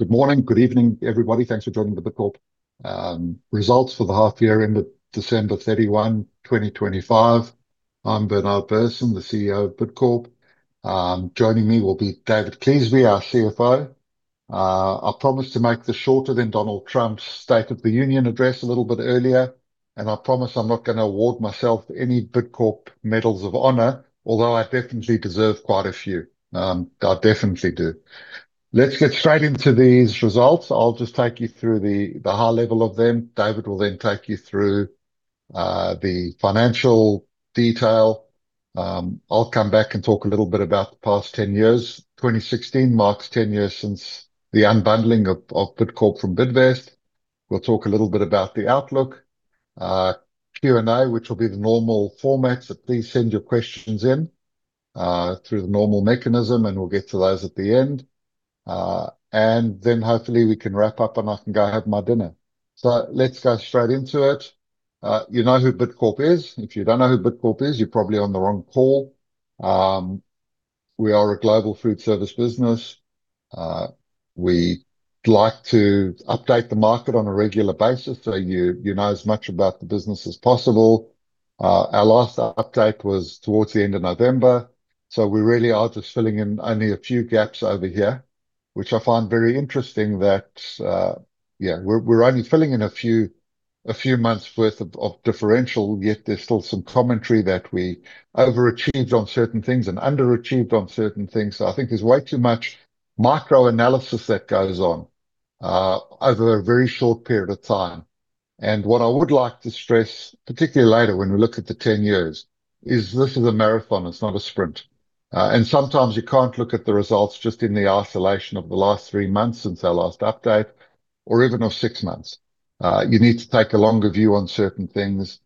Good morning. Good evening, everybody. Thanks for joining the Bidcorp results for the half year ended December 31, 2025. I'm Bernard Berson, the CEO of Bidcorp. Joining me will be David Cleasby, our CFO. I promise to make this shorter than Donald Trump's State of the Union Address a little bit earlier, and I promise I'm not gonna award myself any Bidcorp medals of honor, although I definitely deserve quite a few. I definitely do. Let's get straight into these results. I'll just take you through the high level of them. David will then take you through the financial detail. I'll come back and talk a little bit about the past 10 years. 2016 marks 10 years since the unbundling of Bidcorp from Bidvest. We'll talk a little bit about the outlook. Q&A, which will be the normal format, so please send your questions in through the normal mechanism, and we'll get to those at the end. Hopefully we can wrap up, and I can go have my dinner. Let's go straight into it. You know who Bidcorp is. If you don't know who Bidcorp is, you're probably on the wrong call. We are a global foodservice business. We like to update the market on a regular basis, so you know as much about the business as possible. Our last update was towards the end of November, so we really are just filling in only a few gaps over here, which I find very interesting that, yeah, we're only filling in a few, a few months' worth of differential, yet there's still some commentary that we overachieved on certain things and underachieved on certain things. I think there's way too much micro-analysis that goes on over a very short period of time. What I would like to stress, particularly later when we look at the 10 years, is this is a marathon, it's not a sprint. And sometimes you can't look at the results just in the isolation of the last three months since our last update, or even of six months. You need to take a longer view on certain things.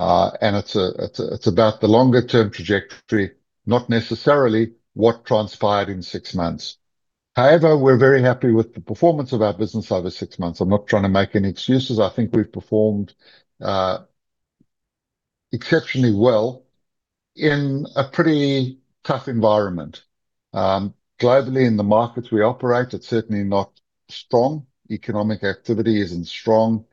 It's about the longer-term trajectory, not necessarily what transpired in six months. However, we're very happy with the performance of our business over six months. I'm not trying to make any excuses. I think we've performed exceptionally well in a pretty tough environment. Globally, in the markets we operate, it's certainly not strong. Economic activity isn't strong.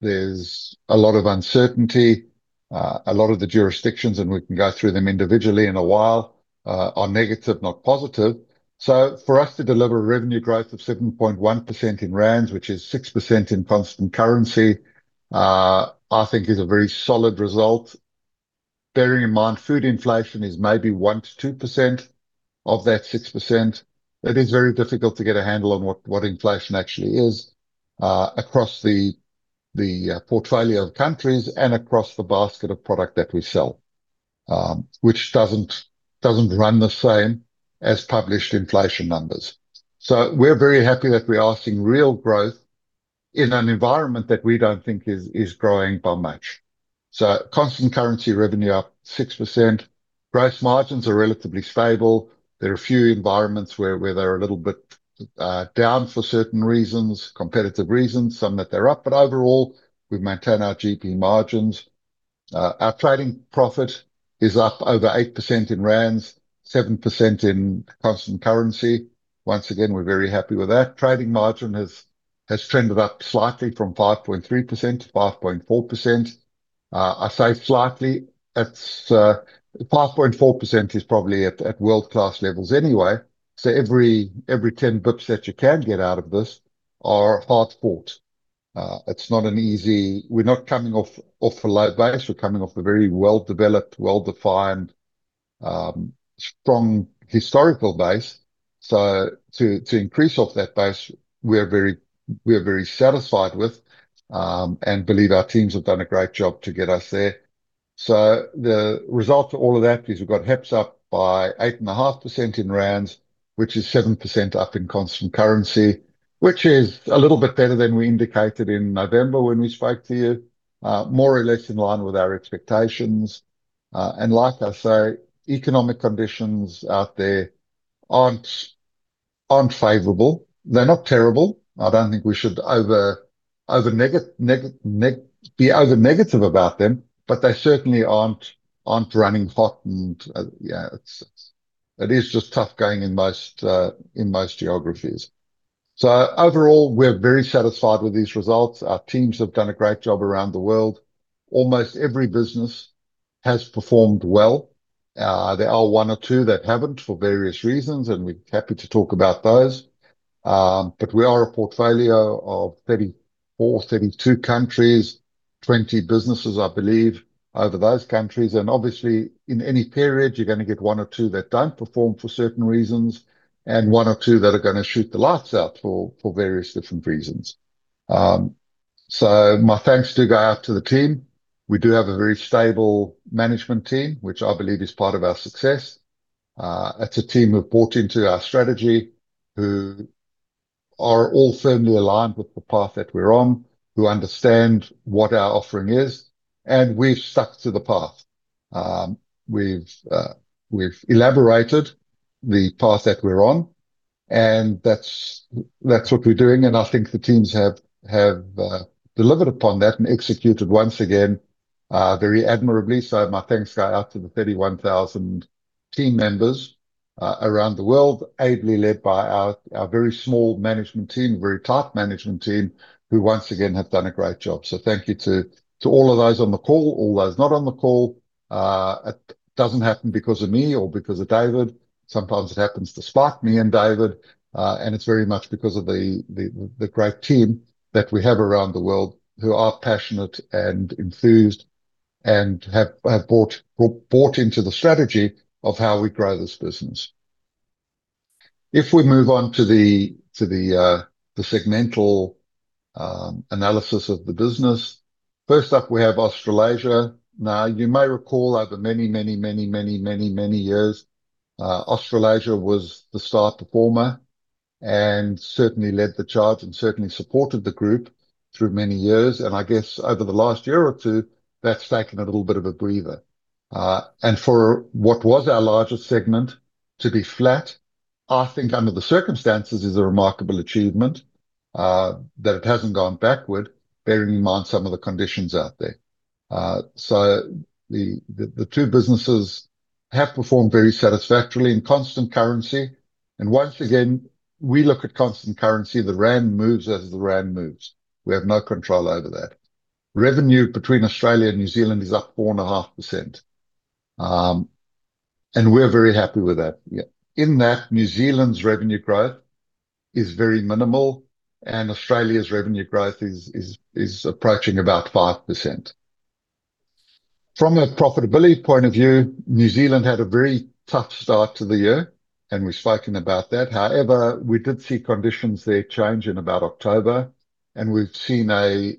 There's a lot of uncertainty. A lot of the jurisdictions, and we can go through them individually in a while, are negative, not positive. For us to deliver revenue growth of 7.1% in rand, which is 6% in constant currency, I think is a very solid result. Bearing in mind, food inflation is maybe 1%-2% of that 6%. It is very difficult to get a handle on what inflation actually is across the portfolio of countries and across the basket of product that we sell, which doesn't run the same as published inflation numbers. We're very happy that we are seeing real growth in an environment that we don't think is growing by much. Constant currency revenue up 6%. Gross margins are relatively stable. There are a few environments where they're a little bit down for certain reasons, competitive reasons, some that they're up, but overall, we've maintained our GP margins. Our trading profit is up over 8% in rands, 7% in constant currency. Once again, we're very happy with that. Trading margin has trended up slightly from 5.3%-5.4%. I say slightly, it's 5.4% is probably at world-class levels anyway. Every 10 basis points that you can get out of this are hard-fought. We're not coming off a low base. We're coming off a very well-developed, well-defined, strong historical base. To increase off that base, we are very satisfied with and believe our teams have done a great job to get us there. The result of all of that is we've got HEPS up by 8.5% in rands, which is 7% up in constant currency, which is a little bit better than we indicated in November when we spoke to you. More or less in line with our expectations. Like I say, economic conditions out there aren't favorable. They're not terrible. I don't think we should over be over negative about them, but they certainly aren't running hot, and yeah, it's, it is just tough going in most in most geographies. Overall, we're very satisfied with these results. Our teams have done a great job around the world. Almost every business has performed well. There are one or two that haven't, for various reasons, and we're happy to talk about those. We are a portfolio of 34, 32 countries, 20 businesses, I believe, over those countries, and obviously, in any period, you're gonna get one or two that don't perform for certain reasons, and one or two that are gonna shoot the lights out for various different reasons. My thanks do go out to the team. We do have a very stable management team, which I believe is part of our success. It's a team who have bought into our strategy, who are all firmly aligned with the path that we're on, who understand what our offering is, and we've stuck to the path. We've elaborated the path that we're on, and that's what we're doing, and I think the teams have delivered upon that and executed once again very admirably. My thanks go out to the 31,000 team members around the world, ably led by our very small management team, very tight management team, who once again have done a great job. Thank you to all of those on the call, all those not on the call. It doesn't happen because of me or because of David. Sometimes it happens despite me and David, and it's very much because of the great team that we have around the world who are passionate and enthused, and have bought, brought into the strategy of how we grow this business. If we move on to the segmental analysis of the business. First up, we have Australasia. Now, you may recall over many years, Australasia was the star performer, and certainly led the charge, and certainly supported the group through many years, and I guess over the last year or two, that's taken a little bit of a breather. For what was our largest segment to be flat, I think under the circumstances, is a remarkable achievement that it hasn't gone backward, bearing in mind some of the conditions out there. The two businesses have performed very satisfactorily in constant currency. Once again, we look at constant currency. The rand moves as the rand moves. We have no control over that. Revenue between Australia and New Zealand is up 4.5%. We're very happy with that. In that, New Zealand's revenue growth is very minimal, and Australia's revenue growth is approaching about 5%. From a profitability point of view, New Zealand had a very tough start to the year. We've spoken about that. However, we did see conditions there change in about October. We've seen I'm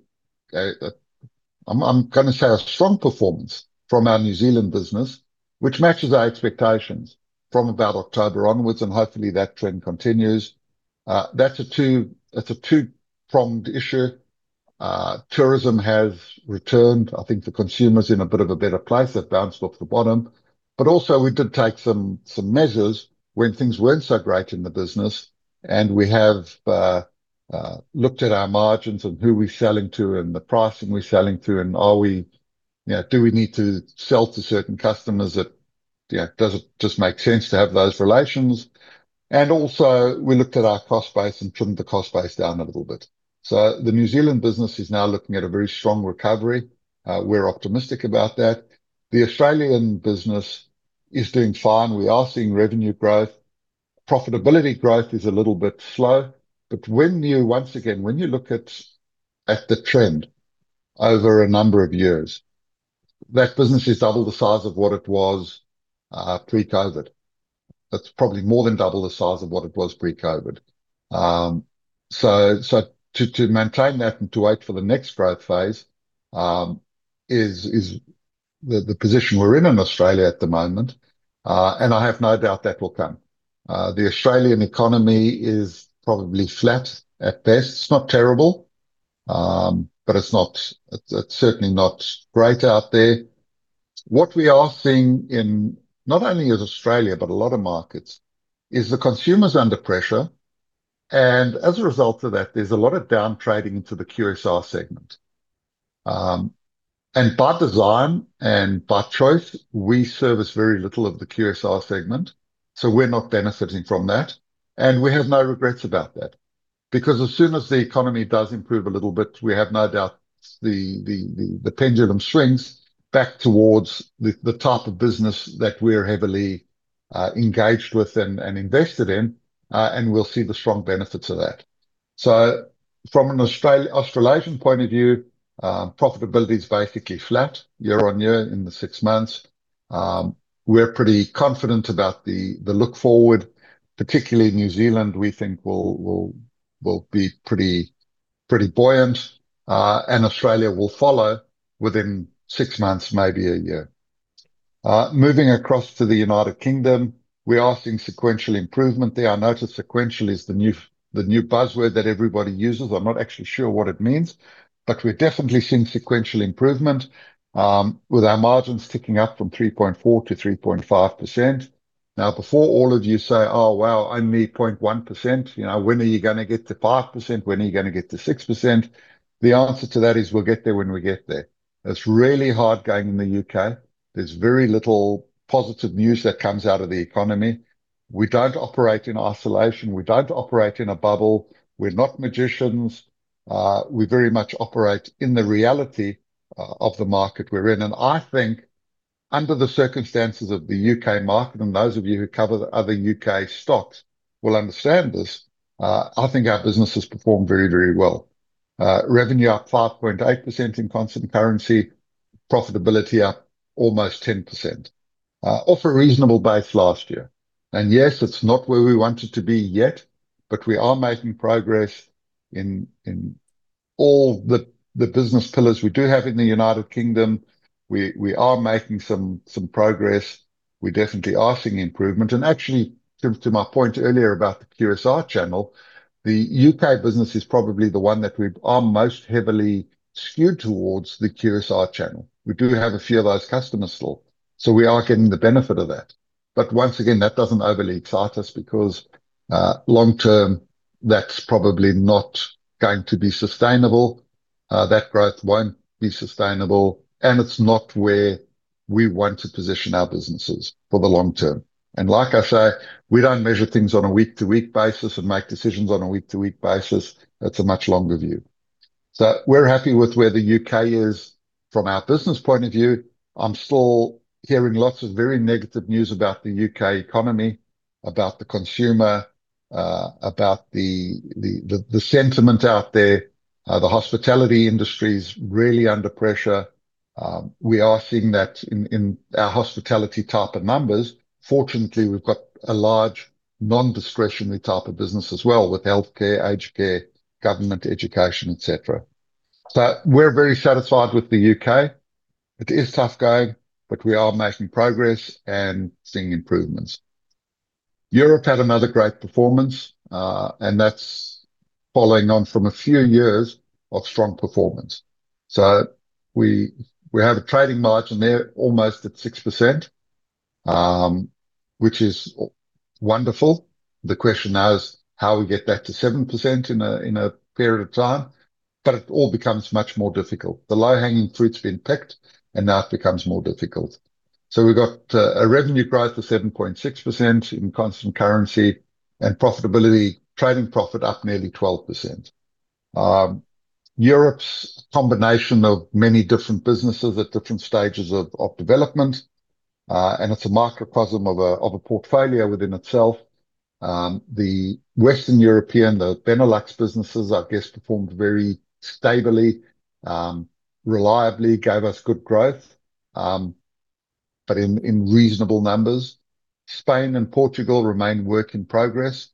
gonna say a strong performance from our New Zealand business, which matches our expectations from about October onwards. Hopefully that trend continues. That's a two-pronged issue. Tourism has returned. I think the consumer's in a bit of a better place. They've bounced off the bottom. Also we did take some measures when things weren't so great in the business, and we have looked at our margins and who we're selling to, and the pricing we're selling to. You know, do we need to sell to certain customers that, you know, does it just make sense to have those relations? Also, we looked at our cost base and trimmed the cost base down a little bit. The New Zealand business is now looking at a very strong recovery. We're optimistic about that. The Australian business is doing fine. We are seeing revenue growth. Profitability growth is a little bit slow. When you, once again, when you look at the trend over a number of years, that business is double the size of what it was pre-COVID. It's probably more than double the size of what it was pre-COVID. To maintain that and to wait for the next growth phase is the position we're in in Australia at the moment. I have no doubt that will come. The Australian economy is probably flat at best. It's not terrible, it's not, it's certainly not great out there. What we are seeing in, not only as Australia, but a lot of markets, is the consumer's under pressure, and as a result of that, there's a lot of down trading into the QSR segment. By design and by choice, we service very little of the QSR segment, so we're not benefiting from that, and we have no regrets about that. As soon as the economy does improve a little bit, we have no doubt the pendulum swings back towards the type of business that we're heavily engaged with and invested in, and we'll see the strong benefits of that. From an Australasian point of view, profitability is basically flat year on year in the six months. We're pretty confident about the look forward, particularly New Zealand, we think will be pretty buoyant, and Australia will follow within six months, maybe a year. Moving across to the United Kingdom, we are seeing sequential improvement there. I notice sequential is the new, the new buzzword that everybody uses. I'm not actually sure what it means, but we're definitely seeing sequential improvement, with our margins ticking up from 3.4%-3.5%. Before all of you say: "Oh, wow, only 0.1%, you know, when are you gonna get to 5%? When are you gonna get to 6%?" The answer to that is, we'll get there when we get there. It's really hard going in the U.K. There's very little positive news that comes out of the economy. We don't operate in isolation. We don't operate in a bubble. We're not magicians. We very much operate in the reality of the market we're in, and I think under the circumstances of the U.K. market, and those of you who cover the other U.K. stocks will understand this, I think our business has performed very, very well. Revenue up 5.8% in constant currency, profitability up almost 10% off a reasonable base last year. Yes, it's not where we want it to be yet, but we are making progress in all the business pillars we do have in the United Kingdom. We are making some progress. We definitely are seeing improvement. Actually, to my point earlier about the QSR channel, the U.K. business is probably the one that we are most heavily skewed towards the QSR channel. We do have a few of those customers still, so we are getting the benefit of that. Once again, that doesn't overly excite us because long term, that's probably not going to be sustainable. That growth won't be sustainable, and it's not where we want to position our businesses for the long term. Like I say, we don't measure things on a week-to-week basis and make decisions on a week-to-week basis. It's a much longer view. We're happy with where the U.K. is from our business point of view. I'm still hearing lots of very negative news about the U.K. economy, about the consumer, about the sentiment out there. The hospitality industry is really under pressure. We are seeing that in our hospitality type of numbers. Fortunately, we've got a large non-discretionary type of business as well, with healthcare, aged care, government, education, et cetera. We're very satisfied with the U.K. It is tough going, but we are making progress and seeing improvements. Europe had another great performance, and that's following on from a few years of strong performance. We have a trading margin there almost at 6%, which is wonderful. The question now is how we get that to 7% in a period of time, but it all becomes much more difficult. The low-hanging fruit's been picked, and now it becomes more difficult. We've got a revenue growth of 7.6% in constant currency, trading profit up nearly 12%. Europe's combination of many different businesses at different stages of development, and it's a microcosm of a portfolio within itself. The Western European, the Benelux businesses, I guess, performed very stably, reliably, gave us good growth, but in reasonable numbers. Spain and Portugal remain work in progress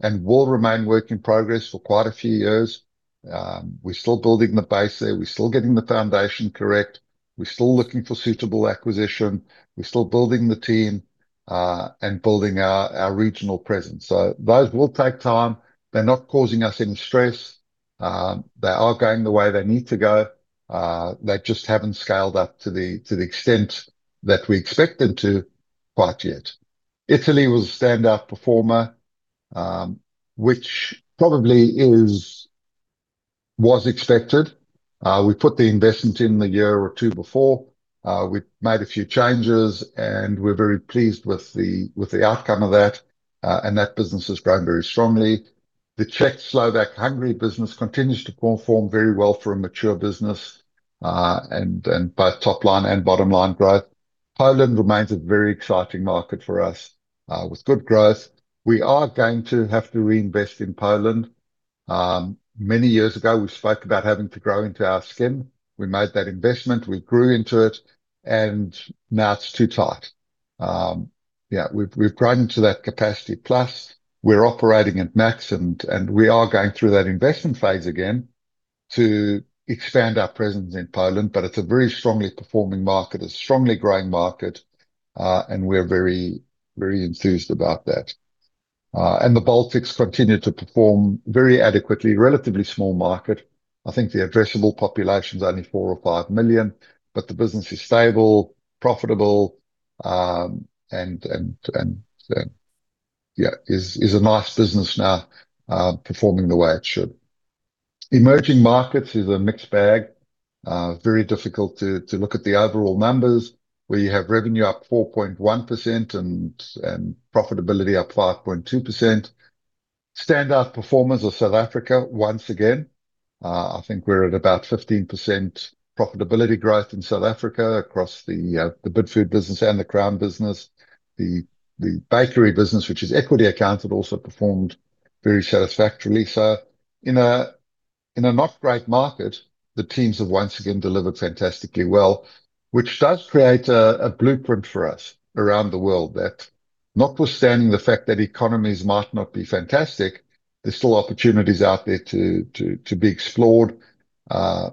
and will remain work in progress for quite a few years. We're still building the base there. We're still getting the foundation correct. We're still looking for suitable acquisition. We're still building the team, and building our regional presence. Those will take time. They're not causing us any stress. They are going the way they need to go. They just haven't scaled up to the extent that we expect them to quite yet. Italy was a stand-out performer, which probably was expected. We put the investment in the year or two before. We made a few changes, and we're very pleased with the outcome of that, and that business has grown very strongly. The Czech, Slovak, Hungary business continues to perform very well for a mature business, and both top line and bottom line growth. Poland remains a very exciting market for us, with good growth. We are going to have to reinvest in Poland. Many years ago, we spoke about having to grow into our skin. We made that investment, we grew into it, and now it's too tight. Yeah, we've grown to that capacity, plus we're operating at max, and we are going through that investment phase again to expand our presence in Poland. It's a very strongly performing market, a strongly growing market, and we're very, very enthused about that. The Baltics continue to perform very adequately. Relatively small market. I think the addressable population is only 4 million-5 million, but the business is stable, profitable, and, yeah, is a nice business now, performing the way it should. Emerging markets is a mixed bag. Very difficult to look at the overall numbers, where you have revenue up 4.1% and profitability up 5.2%. Standout performers are South Africa once again. I think we're at about 15% profitability growth in South Africa across the Bidfood business and the Crown business. The bakery business, which is equity accounted, also performed very satisfactorily. In a not great market, the teams have once again delivered fantastically well, which does create a blueprint for us around the world, that notwithstanding the fact that economies might not be fantastic, there's still opportunities out there to be explored. We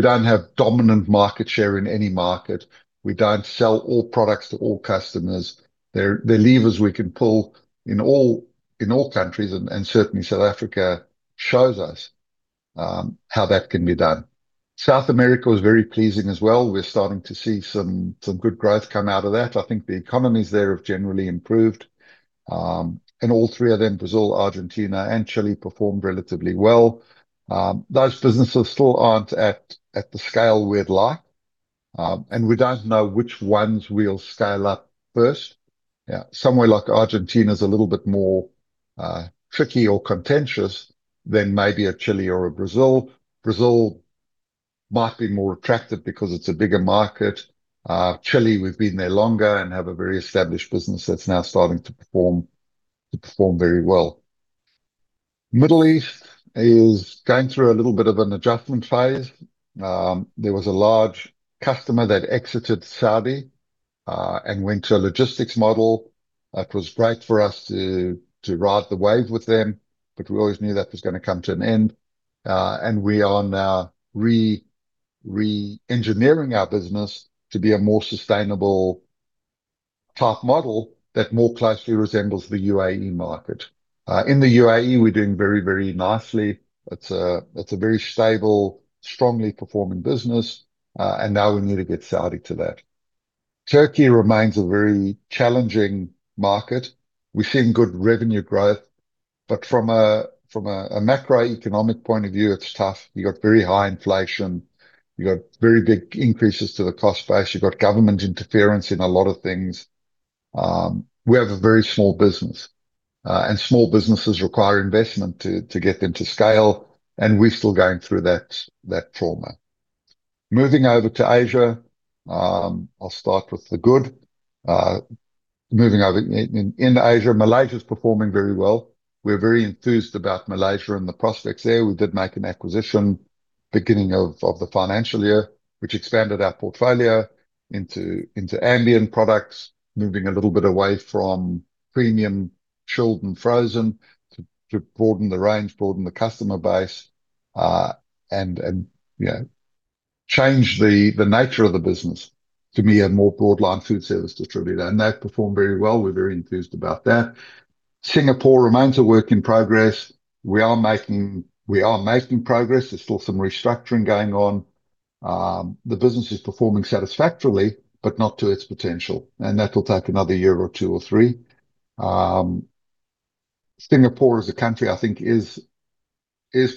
don't have dominant market share in any market. We don't sell all products to all customers. There are levers we can pull in all countries, and certainly South Africa shows us how that can be done. South America was very pleasing as well. We're starting to see some good growth come out of that. I think the economies there have generally improved. All three of them, Brazil, Argentina, and Chile, performed relatively well. Those businesses still aren't at the scale we'd like, we don't know which ones we'll scale up first. Yeah, somewhere like Argentina is a little bit more tricky or contentious than maybe a Chile or a Brazil. Brazil might be more attractive because it's a bigger market. Chile, we've been there longer and have a very established business that's now starting to perform very well. Middle East is going through a little bit of an adjustment phase. There was a large customer that exited Saudi, went to a logistics model. It was great for us to ride the wave with them, we always knew that was gonna come to an end. We are now re-engineering our business to be a more sustainable type model that more closely resembles the UAE market. In the UAE, we're doing very, very nicely. It's a very stable, strongly performing business. Now we need to get Saudi to that. Turkey remains a very challenging market. We're seeing good revenue growth, but from a macroeconomic point of view, it's tough. You've got very high inflation, you've got very big increases to the cost base, you've got government interference in a lot of things. We have a very small business, and small businesses require investment to get them to scale, and we're still going through that trauma. Moving over to Asia, I'll start with the good. Moving over in Asia, Malaysia's performing very well. We're very enthused about Malaysia and the prospects there. We did make an acquisition beginning of the financial year, which expanded our portfolio into ambient products, moving a little bit away from premium chilled and frozen, to broaden the range, broaden the customer base, and, you know, change the nature of the business to be a more broad-line foodservice distributor. That performed very well, we're very enthused about that. Singapore remains a work in progress. We are making progress. There's still some restructuring going on. The business is performing satisfactorily, but not to its potential, and that will take another year or two or three. Singapore, as a country, I think is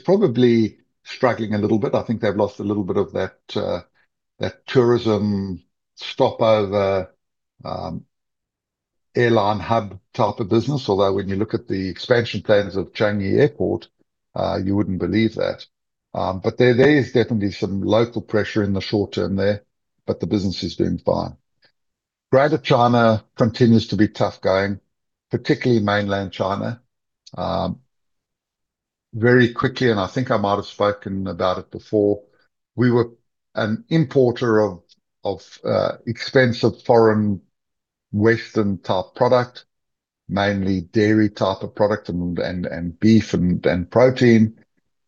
probably struggling a little bit. I think they've lost a little bit of that tourism stopover, airline hub type of business. When you look at the expansion plans of Changi Airport, you wouldn't believe that. There is definitely some local pressure in the short term there, but the business is doing fine. Greater China continues to be tough going, particularly mainland China. Very quickly, and I think I might have spoken about it before, we were an importer of expensive foreign Western-type product, mainly dairy type of product and beef and protein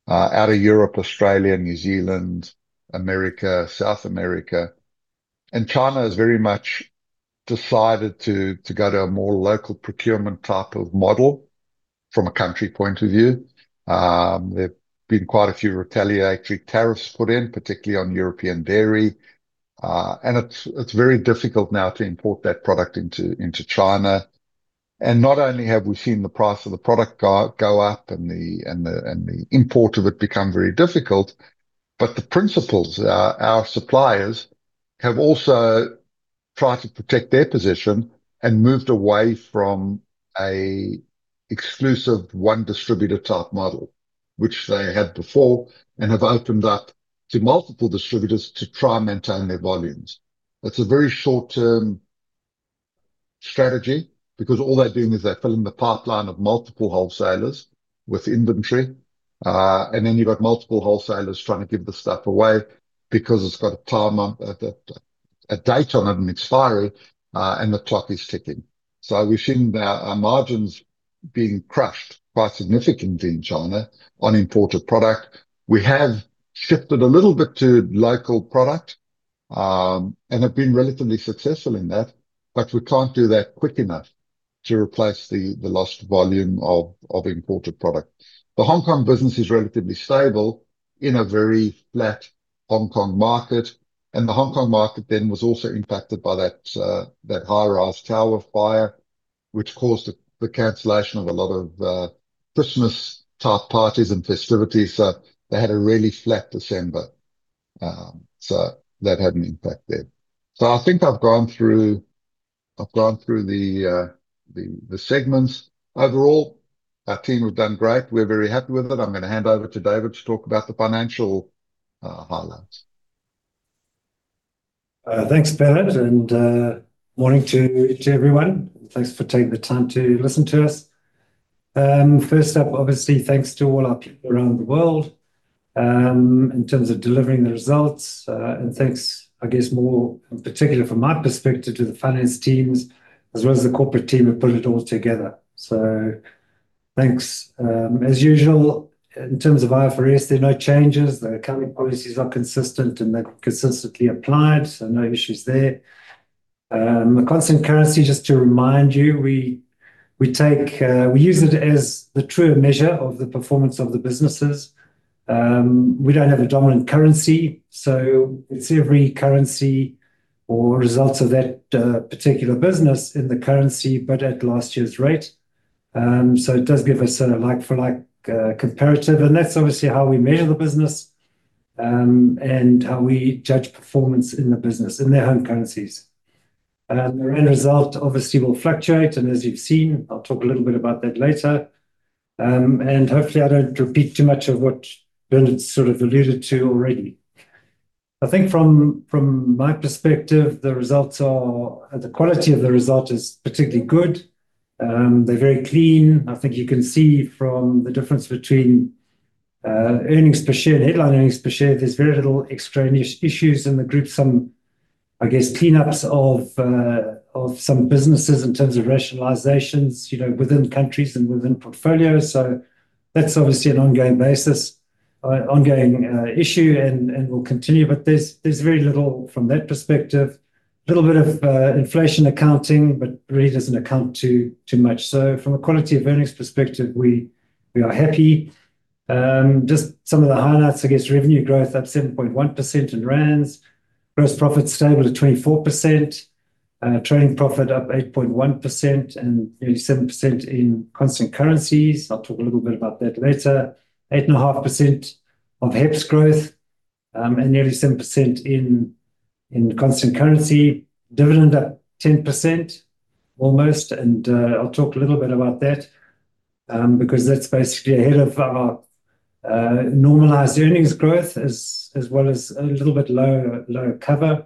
out of Europe, Australia, New Zealand, America, South America. China has very much decided to go to a more local procurement type of model from a country point of view. There've been quite a few retaliatory tariffs put in, particularly on European dairy. It's very difficult now to import that product into China. Not only have we seen the price of the product go up and the import of it become very difficult, but the principals, our suppliers, have also tried to protect their position and moved away from a exclusive one distributor-type model, which they had before, and have opened up to multiple distributors to try and maintain their volumes. It's a very short-term strategy because all they're doing is they're filling the pipeline of multiple wholesalers with inventory. Then you've got multiple wholesalers trying to give the stuff away because it's got a time, a date on it and it's expiry, and the clock is ticking. We've seen our margins being crushed quite significantly in China on imported product. We have shifted a little bit to local product, have been relatively successful in that, but we can't do that quick enough to replace the lost volume of imported product. The Hong Kong business is relatively stable in a very flat Hong Kong market. The Hong Kong market then was also impacted by that high-rise tower fire, which caused the cancellation of a lot of Christmas-type parties and festivities. They had a really flat December. That had an impact there. I think I've gone through, I've gone through the segments. Overall, our team have done great. We're very happy with it. I'm gonna hand over to David to talk about the financial highlights. Thanks, Bernard, morning to everyone. Thanks for taking the time to listen to us. First up, obviously, thanks to all our people around the world, in terms of delivering the results. Thanks, I guess, more in particular from my perspective, to the finance teams, as well as the corporate team who put it all together. Thanks. As usual, in terms of IFRS, there are no changes. The accounting policies are consistent, they're consistently applied, no issues there. The constant currency, just to remind you, we use it as the truer measure of the performance of the businesses. We don't have a dominant currency, it's every currency or results of that particular business in the currency, but at last year's rate. So it does give a sort of like for like comparative, and that's obviously how we measure the business, and how we judge performance in the business in their home currencies. The end result obviously will fluctuate, and as you've seen, I'll talk a little bit about that later. Hopefully, I don't repeat too much of what Bernard sort of alluded to already. I think from my perspective, the results are. The quality of the result is particularly good. They're very clean. I think you can see from the difference between earnings per share and headline earnings per share, there's very little extraneous issues in the group. Some, I guess, cleanups of some businesses in terms of rationalizations, you know, within countries and within portfolios. That's obviously an ongoing basis. ongoing issue and will continue, but there's very little from that perspective. A little bit of inflation accounting, but really doesn't account to too much. From a quality of earnings perspective, we are happy. Just some of the highlights, I guess, revenue growth up 7.1% in rands. Gross profit stable at 24%. Trading profit up 8.1% and nearly 7% in constant currencies. I'll talk a little bit about that later. 8.5% of HEPS growth, nearly 7% in constant currency. Dividend up 10% almost, I'll talk a little bit about that, because that's basically ahead of our normalized earnings growth as well as a little bit lower cover.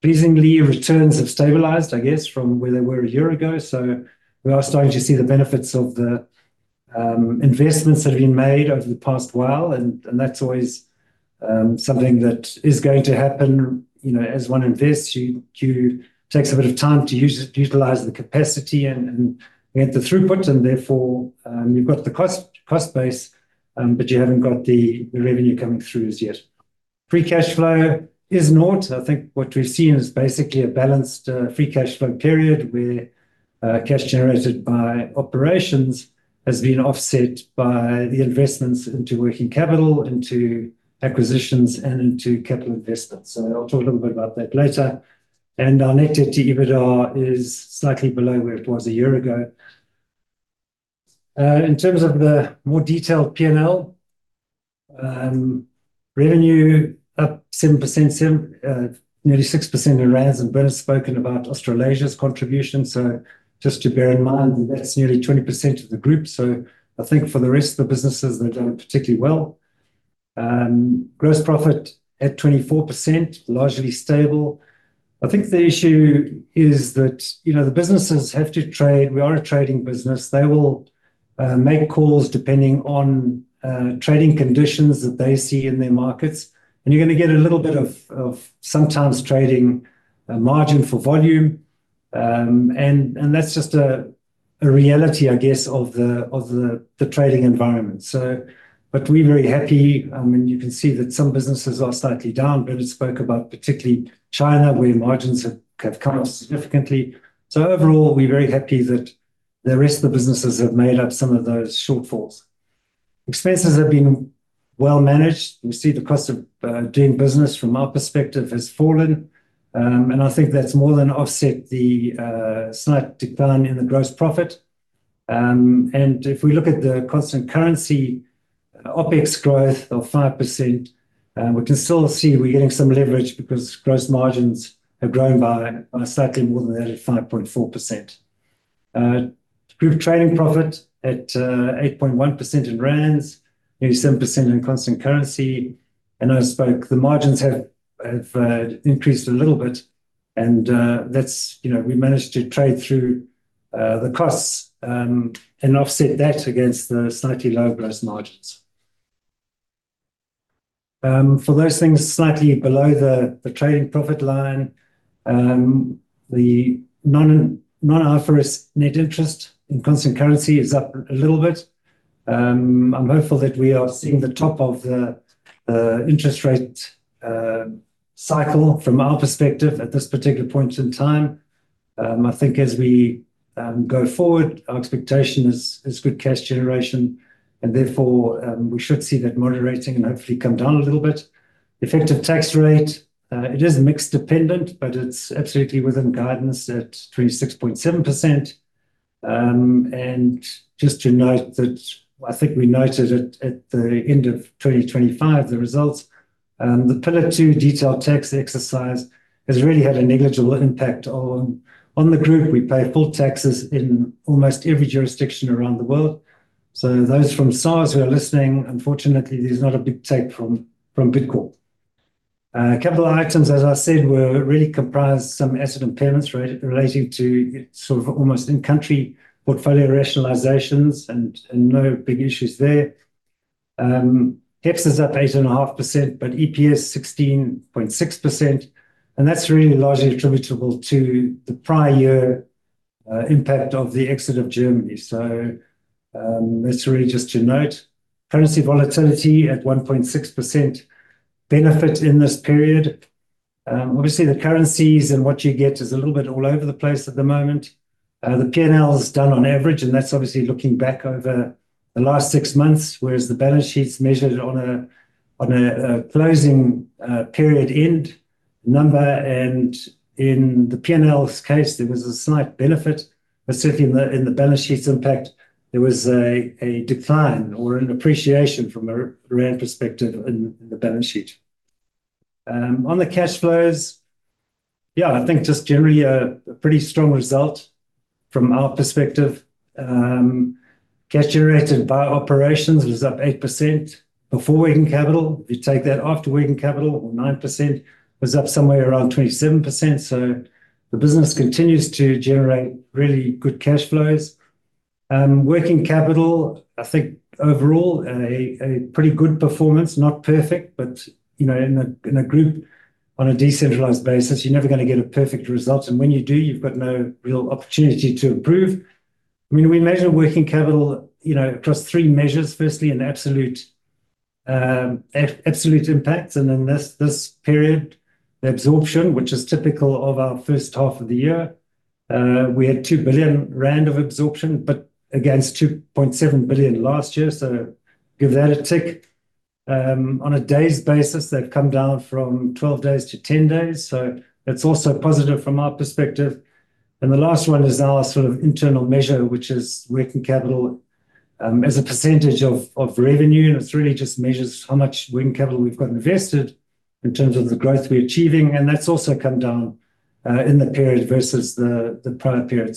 Pleasingly, returns have stabilized, I guess, from where they were a year ago. We are starting to see the benefits of the investments that have been made over the past while, and that's always something that is going to happen. You know, as one invests, you takes a bit of time to utilize the capacity and get the throughput, and therefore, you've got the cost base, but you haven't got the revenue coming through as yet. Free cash flow is ZAR nil. I think what we've seen is basically a balanced free cash flow period, where cash generated by operations has been offset by the investments into working capital, into acquisitions, and into capital investments. I'll talk a little bit about that later. Our net debt to EBITDA is slightly below where it was a year ago. In terms of the more detailed P&L, revenue up 7%, nearly 6% in rands, and Bernard's spoken about Australasia's contribution. Just to bear in mind that that's nearly 20% of the group. I think for the rest of the businesses, they've done particularly well. Gross profit at 24%, largely stable. I think the issue is that, you know, the businesses have to trade. We are a trading business. They will make calls depending on trading conditions that they see in their markets, and you're gonna get a little bit of sometimes trading margin for volume. And that's just a reality, I guess, of the trading environment. We're very happy, and you can see that some businesses are slightly down. Bernard spoke about particularly China, where margins have come off significantly. Overall, we're very happy that the rest of the businesses have made up some of those shortfalls. Expenses have been well managed. We see the cost of doing business from our perspective has fallen, and I think that's more than offset the slight decline in the gross profit. And if we look at the constant currency, OpEx growth of 5%, we can still see we're getting some leverage because gross margins have grown by slightly more than that, at 5.4%. Group trading profit at 8.1% in rands, nearly 7% in constant currency. I spoke the margins have increased a little bit, that's, you know, we managed to trade through the costs, and offset that against the slightly low gross margins. For those things slightly below the trading profit line, the non-interest net interest in constant currency is up a little bit. I'm hopeful that we are seeing the top of the interest rate cycle from our perspective at this particular point in time. I think as we go forward, our expectation is good cash generation, and therefore, we should see that moderating and hopefully come down a little bit. Effective tax rate, it is mix dependent, but it's absolutely within guidance at 26.7%. Just to note that I think we noted it at the end of 2025, the results, the Pillar Two detailed tax exercise has really had a negligible impact on the group. We pay full taxes in almost every jurisdiction around the world. Those from SARS who are listening, unfortunately, there's not a big take from Bidcorp. Capital items, as I said, were really comprised some asset impairments relating to sort of almost in-country portfolio rationalizations and no big issues there. HEPS is up 8.5%, but EPS 16.6%, and that's really largely attributable to the prior year impact of the exit of Germany. That's really just to note. Currency volatility at 1.6% benefit in this period. Obviously, the currencies and what you get is a little bit all over the place at the moment. The P&L is done on average, and that's obviously looking back over the last six months, whereas the balance sheet's measured on a closing period end number, and in the P&L's case, there was a slight benefit, but certainly in the balance sheet's impact, there was a decline or an appreciation from a rand perspective in the balance sheet. On the cash flows, I think just generally a pretty strong result from our perspective. Cash generated by operations was up 8% before working capital. If you take that after working capital or 9%, was up somewhere around 27%, so the business continues to generate really good cash flows. Working capital, I think overall a pretty good performance, not perfect, but, you know, in a group on a decentralized basis, you're never gonna get a perfect result, and when you do, you've got no real opportunity to improve. I mean, we measure working capital, you know, across three measures. Firstly, an absolute impacts, and in this period, the absorption, which is typical of our first half of the year, we had 2 billion rand of absorption, but against 2.7 billion last year. Give that a tick. On a days basis, they've come down from 12 days to 10 days. That's also positive from our perspective. The last one is our sort of internal measure, which is working capital as a percentage of revenue, and it's really just measures how much working capital we've got invested in terms of the growth we're achieving, and that's also come down in the period versus the prior period.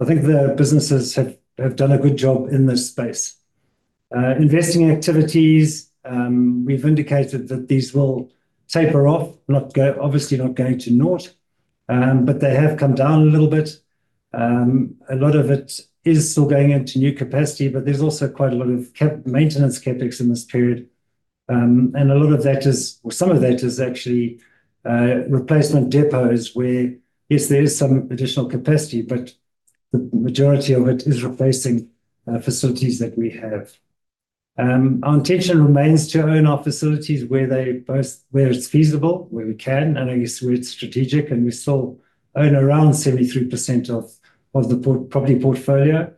I think the businesses have done a good job in this space. Investing activities, we've indicated that these will taper off, obviously not going to 0, but they have come down a little bit. A lot of it is still going into new capacity, but there's also quite a lot of maintenance CapEx in this period. A lot of that well, some of that is actually replacement depots, where, yes, there is some additional capacity, but the majority of it is replacing facilities that we have. Our intention remains to own our facilities where it's feasible, where we can, and I guess where it's strategic, we still own around 73% of the property portfolio.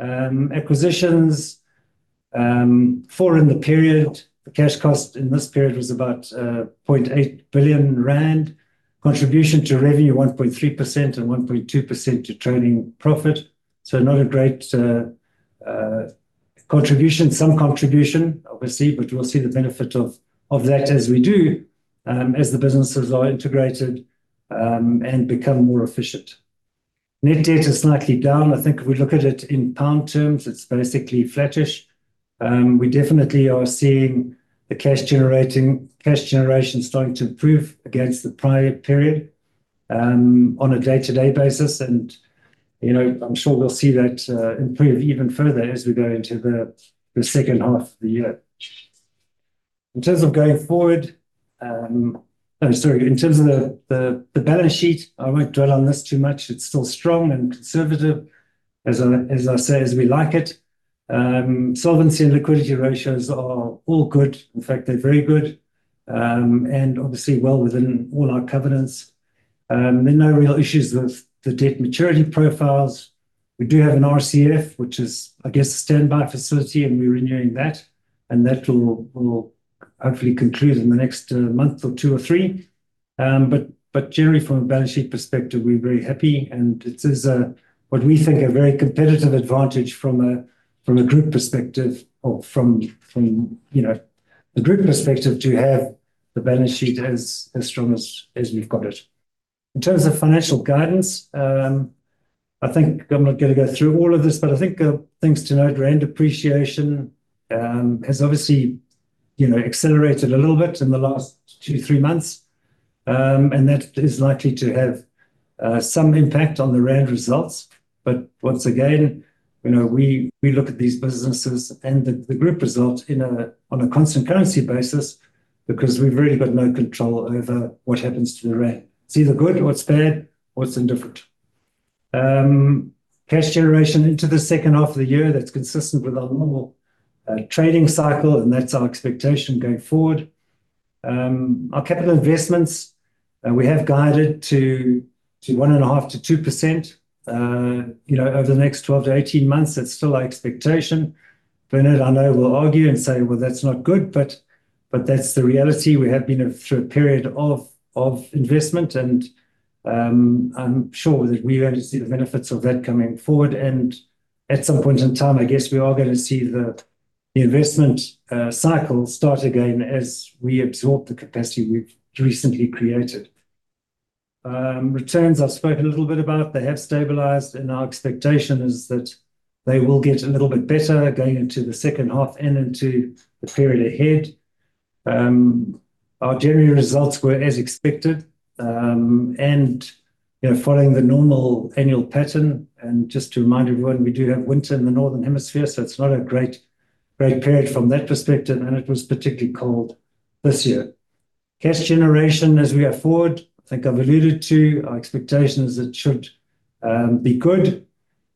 Acquisitions, four in the period. The cash cost in this period was about 0.8 billion rand. Contribution to revenue, 1.3% and 1.2% to trading profit, not a great contribution. Some contribution, obviously, we'll see the benefit of that as we do, as the businesses are integrated, and become more efficient. Net debt is slightly down. I think if we look at it in pound terms, it's basically flattish. We definitely are seeing the cash generation starting to improve against the prior period on a day-to-day basis. You know, I'm sure we'll see that improve even further as we go into the second half of the year. In terms of going forward, in terms of the balance sheet, I won't dwell on this too much. It's still strong and conservative, as I say, as we like it. Solvency and liquidity ratios are all good. In fact, they're very good and obviously well within all our covenants. No real issues with the debt maturity profiles. We do have an RCF, which is, I guess, a standby facility, and we're renewing that, and that will hopefully conclude in the next month or two or three. But generally, from a balance sheet perspective, we're very happy, and it is a, what we think a very competitive advantage from a group perspective or from, you know, the group perspective to have the balance sheet as strong as we've got it. In terms of financial guidance, I think I'm not going to go through all of this, but I think things to note, rand appreciation, has obviously, you know, accelerated a little bit in the last two, three months. That is likely to have some impact on the rand results. Once again, you know, we look at these businesses and the group result on a constant currency basis because we've really got no control over what happens to the rand. It's either good or it's bad or it's indifferent. Cash generation into the second half of the year, that's consistent with our normal trading cycle, and that's our expectation going forward. Our capital investments, we have guided to 1.5%-2%, you know, over the next 12-18 months. That's still our expectation. Bernard, I know, will argue and say, "Well, that's not good," but that's the reality. We have been through a period of investment, and I'm sure that we're going to see the benefits of that coming forward. At some point in time, I guess we are going to see the investment cycle start again as we absorb the capacity we've recently created. Returns, I've spoken a little bit about. They have stabilized, and our expectation is that they will get a little bit better going into the second half and into the period ahead. Our January results were as expected, and, you know, following the normal annual pattern, and just to remind everyone, we do have winter in the Northern Hemisphere, so it's not a great period from that perspective, and it was particularly cold this year. Cash generation as we go forward, I think I've alluded to, our expectation is it should be good.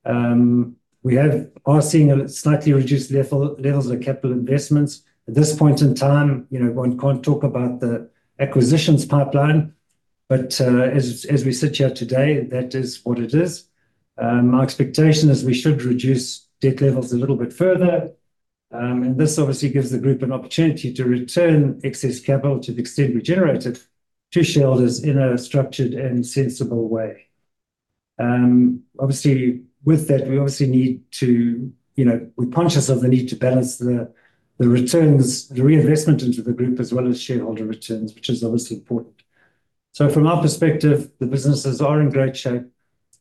We are seeing a slightly reduced levels of capital investments. At this point in time, you know, one can't talk about the acquisitions pipeline, but, as we sit here today, that is what it is. My expectation is we should reduce debt levels a little bit further, and this obviously gives the group an opportunity to return excess capital to the extent we generate it, to shareholders in a structured and sensible way. Obviously, with that, we obviously need to. You know, we're conscious of the need to balance the returns, the reinvestment into the group, as well as shareholder returns, which is obviously important. From our perspective, the businesses are in great shape,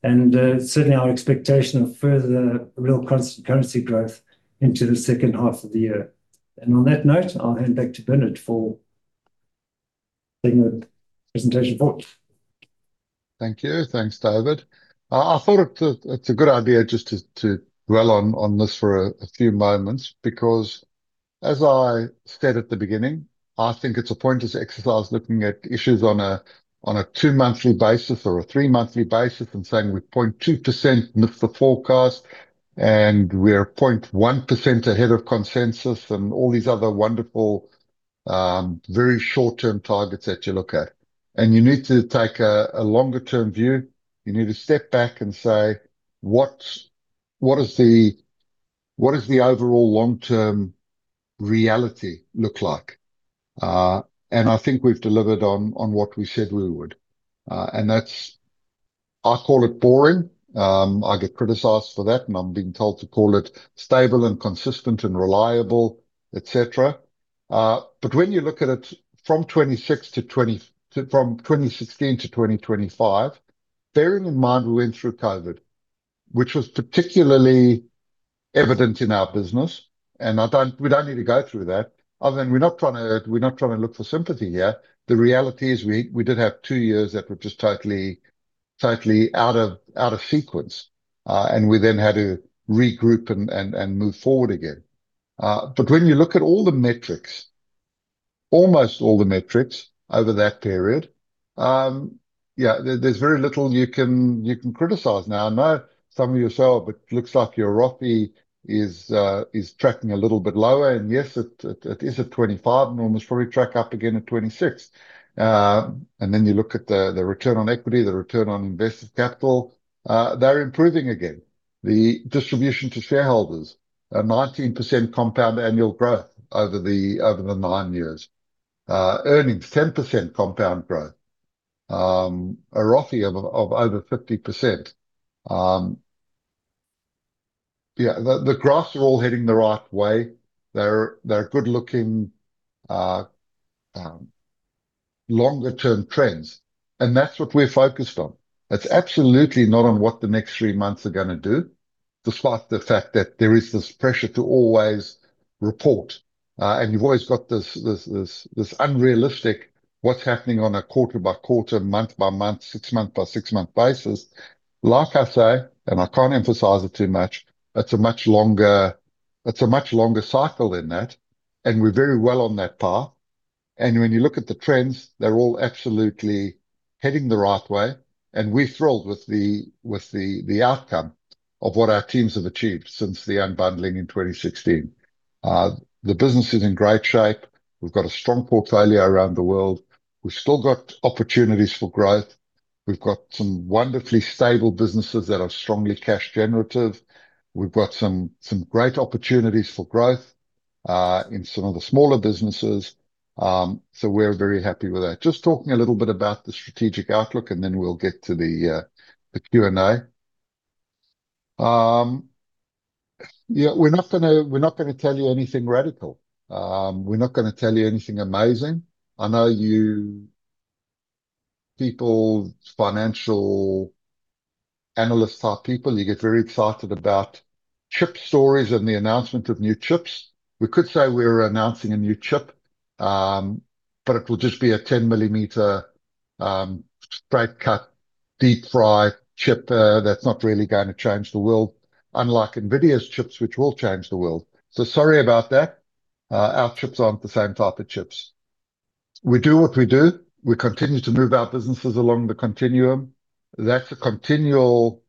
and, certainly our expectation of further real constant currency growth into the second half of the year. On that note, I'll hand back to Bernard for taking the presentation forward. Thank you. Thanks, David. I thought it's a good idea just to dwell on this for a few moments, because as I said at the beginning, I think it's a pointless exercise looking at issues on a, on a two-monthly basis or a three-monthly basis and saying we're 0.2% off the forecast. We're 0.1% ahead of consensus, and all these other wonderful, very short-term targets that you look at. You need to take a longer-term view. You need to step back and say: "What, what is the, what is the overall long-term reality look like?" I think we've delivered on what we said we would. That's, I call it boring. I get criticized for that, and I'm being told to call it stable and consistent and reliable, et cetera. When you look at it from 2016 to 2025, bearing in mind we went through COVID, which was particularly evident in our business, and we don't need to go through that. Other than, we're not trying to look for sympathy here. The reality is we did have two years that were just totally out of sequence. We then had to regroup and move forward again. When you look at all the metrics, almost all the metrics over that period, yeah, there's very little you can criticize. I know some of you will say, "Oh, but looks like your ROPI is tracking a little bit lower." Yes, it is at 25, and we must probably track up again at 26. You look at the return on equity, the return on invested capital, they're improving again. The distribution to shareholders are 19% compound annual growth over the nine years. Earnings, 10% compound growth. A ROPI of over 50%. Yeah, the graphs are all heading the right way. They're good-looking longer-term trends, and that's what we're focused on. It's absolutely not on what the next three months are gonna do, despite the fact that there is this pressure to always report. You've always got this unrealistic, what's happening on a quarter-by-quarter, month-by-month, six-month-by-six-month basis. Like I say, and I can't emphasize it too much, it's a much longer, it's a much longer cycle than that, and we're very well on that path. When you look at the trends, they're all absolutely heading the right way, and we're thrilled with the outcome of what our teams have achieved since the unbundling in 2016. The business is in great shape. We've got a strong portfolio around the world. We've still got opportunities for growth. We've got some wonderfully stable businesses that are strongly cash-generative. We've got some great opportunities for growth in some of the smaller businesses. We're very happy with that. Just talking a little bit about the strategic outlook, we'll get to the Q&A. We're not gonna tell you anything radical. We're not gonna tell you anything amazing. I know you people, financial analyst-type people, you get very excited about chip stories and the announcement of new chips. We could say we're announcing a new chip, it will just be a 10-millimeter, straight-cut, deep-fry chip that's not really gonna change the world, unlike NVIDIA's chips, which will change the world. Sorry about that. Our chips aren't the same type of chips. We do what we do. We continue to move our businesses along the continuum. That's a continual,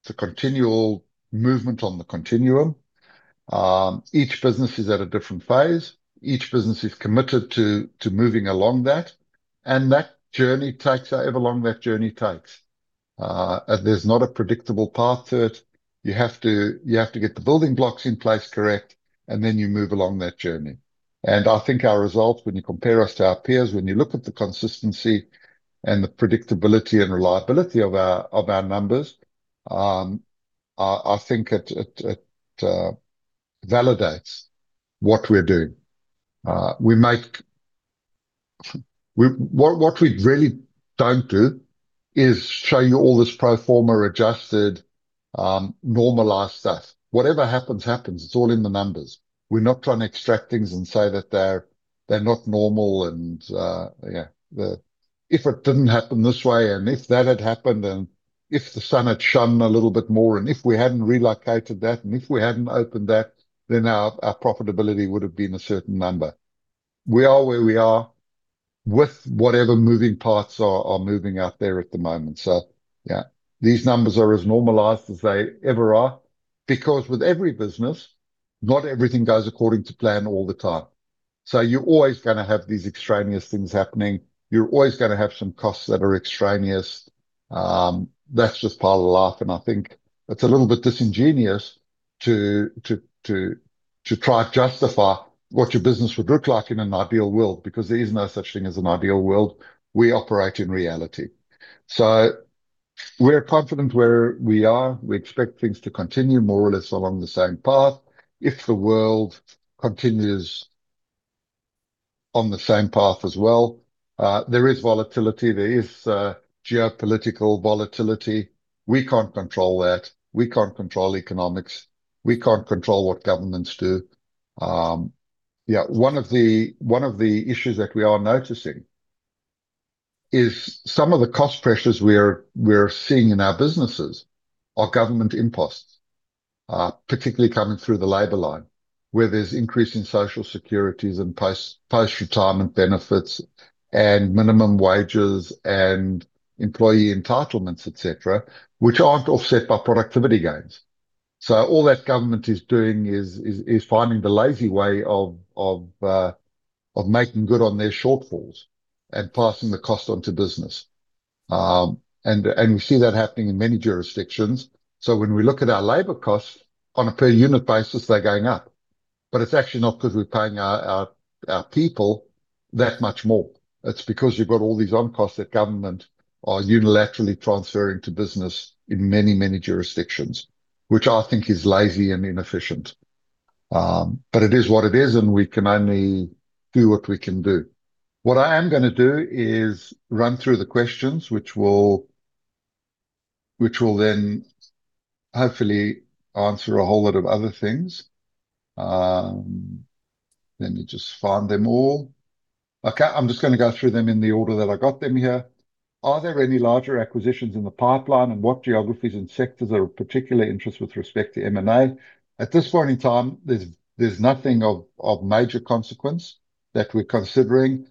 it's a continual movement on the continuum. Each business is at a different phase. Each business is committed to moving along that journey takes however long that journey takes. There's not a predictable path to it. You have to get the building blocks in place correct, then you move along that journey. I think our results, when you compare us to our peers, when you look at the consistency and the predictability and reliability of our numbers, I think it validates what we're doing. What we really don't do is show you all this pro forma adjusted, normalized stuff. Whatever happens. It's all in the numbers. We're not trying to extract things and say that they're not normal. Yeah, "If it didn't happen this way, and if that had happened, and if the sun had shone a little bit more, and if we hadn't relocated that, and if we hadn't opened that, then our profitability would have been a certain number." We are where we are with whatever moving parts are moving out there at the moment. Yeah, these numbers are as normalized as they ever are because with every business, not everything goes according to plan all the time. You're always gonna have these extraneous things happening. You're always gonna have some costs that are extraneous. That's just part of life, and I think it's a little bit disingenuous to try to justify what your business would look like in an ideal world, because there is no such thing as an ideal world. We operate in reality. We're confident where we are. We expect things to continue more or less along the same path, if the world continues on the same path as well. There is volatility, there is geopolitical volatility. We can't control that. We can't control economics. We can't control what governments do. Yeah, one of the issues that we are noticing is some of the cost pressures we're seeing in our businesses are government imposts, particularly coming through the labor line... where there's increase in social securities and post-retirement benefits, and minimum wages, and employee entitlements, et cetera, which aren't offset by productivity gains. All that government is doing is finding the lazy way of making good on their shortfalls and passing the cost on to business. We see that happening in many jurisdictions. When we look at our labor costs on a per unit basis, they're going up. It's actually not because we're paying our people that much more. It's because you've got all these on costs that government are unilaterally transferring to business in many jurisdictions, which I think is lazy and inefficient. It is what it is, and we can only do what we can do. What I am gonna do is run through the questions, which will then hopefully answer a whole lot of other things. Let me just find them all. Okay, I'm just gonna go through them in the order that I got them here. "Are there any larger acquisitions in the pipeline, and what geographies and sectors are of particular interest with respect to M&A?" At this point in time, there's nothing of major consequence that we're considering,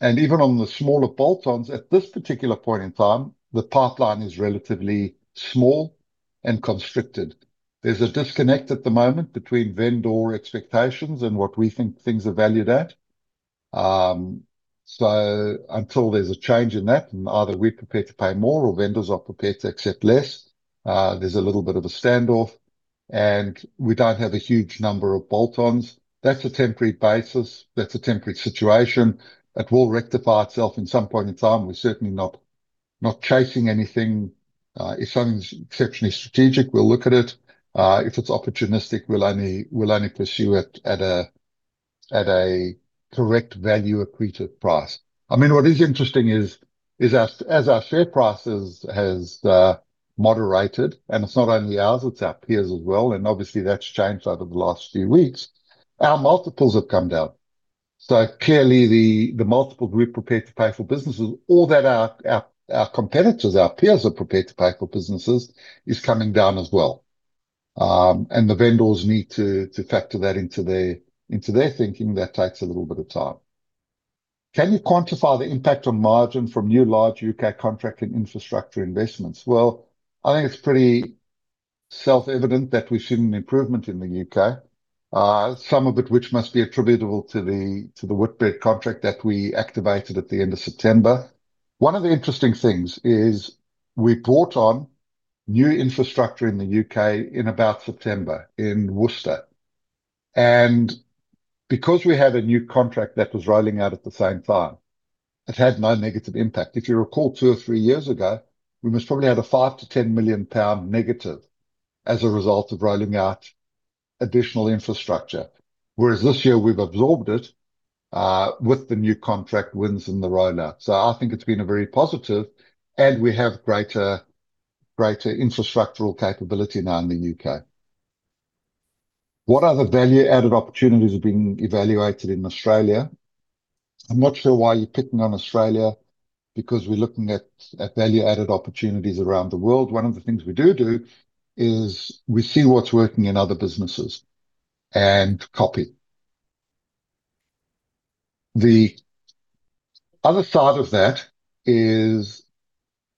and even on the smaller bolt-ons at this particular point in time, the pipeline is relatively small and constricted. There's a disconnect at the moment between vendor expectations and what we think things are valued at. Until there's a change in that, and either we're prepared to pay more or vendors are prepared to accept less, there's a little bit of a standoff, and we don't have a huge number of bolt-ons. That's a temporary basis. That's a temporary situation. It will rectify itself in some point in time. We're certainly not chasing anything. If something's exceptionally strategic, we'll look at it. If it's opportunistic, we'll only pursue it at a correct value accreted price. I mean, what is interesting is our share prices has moderated, and it's not only ours, it's our peers as well, and obviously that's changed over the last few weeks, our multiples have come down. Clearly, the multiple we're prepared to pay for businesses, or that our competitors, our peers are prepared to pay for businesses, is coming down as well. The vendors need to factor that into their thinking. That takes a little bit of time. "Can you quantify the impact on margin from new large U.K. contract and infrastructure investments?" I think it's pretty self-evident that we've seen an improvement in the U.K. Some of it, which must be attributable to the Whitbread contract that we activated at the end of September. One of the interesting things is we brought on new infrastructure in the U.K. in about September, in Worcester, and because we had a new contract that was rolling out at the same time, it had no negative impact. If you recall, two or three years ago, we must probably had a 5 million-10 million pound negative as a result of rolling out additional infrastructure, whereas this year we've absorbed it with the new contract wins and the rollout. I think it's been a very positive, and we have greater infrastructural capability now in the U.K. What other value-added opportunities are being evaluated in Australia? I'm not sure why you're picking on Australia, because we're looking at value-added opportunities around the world. One of the things we do is we see what's working in other businesses and copy. The other side of that is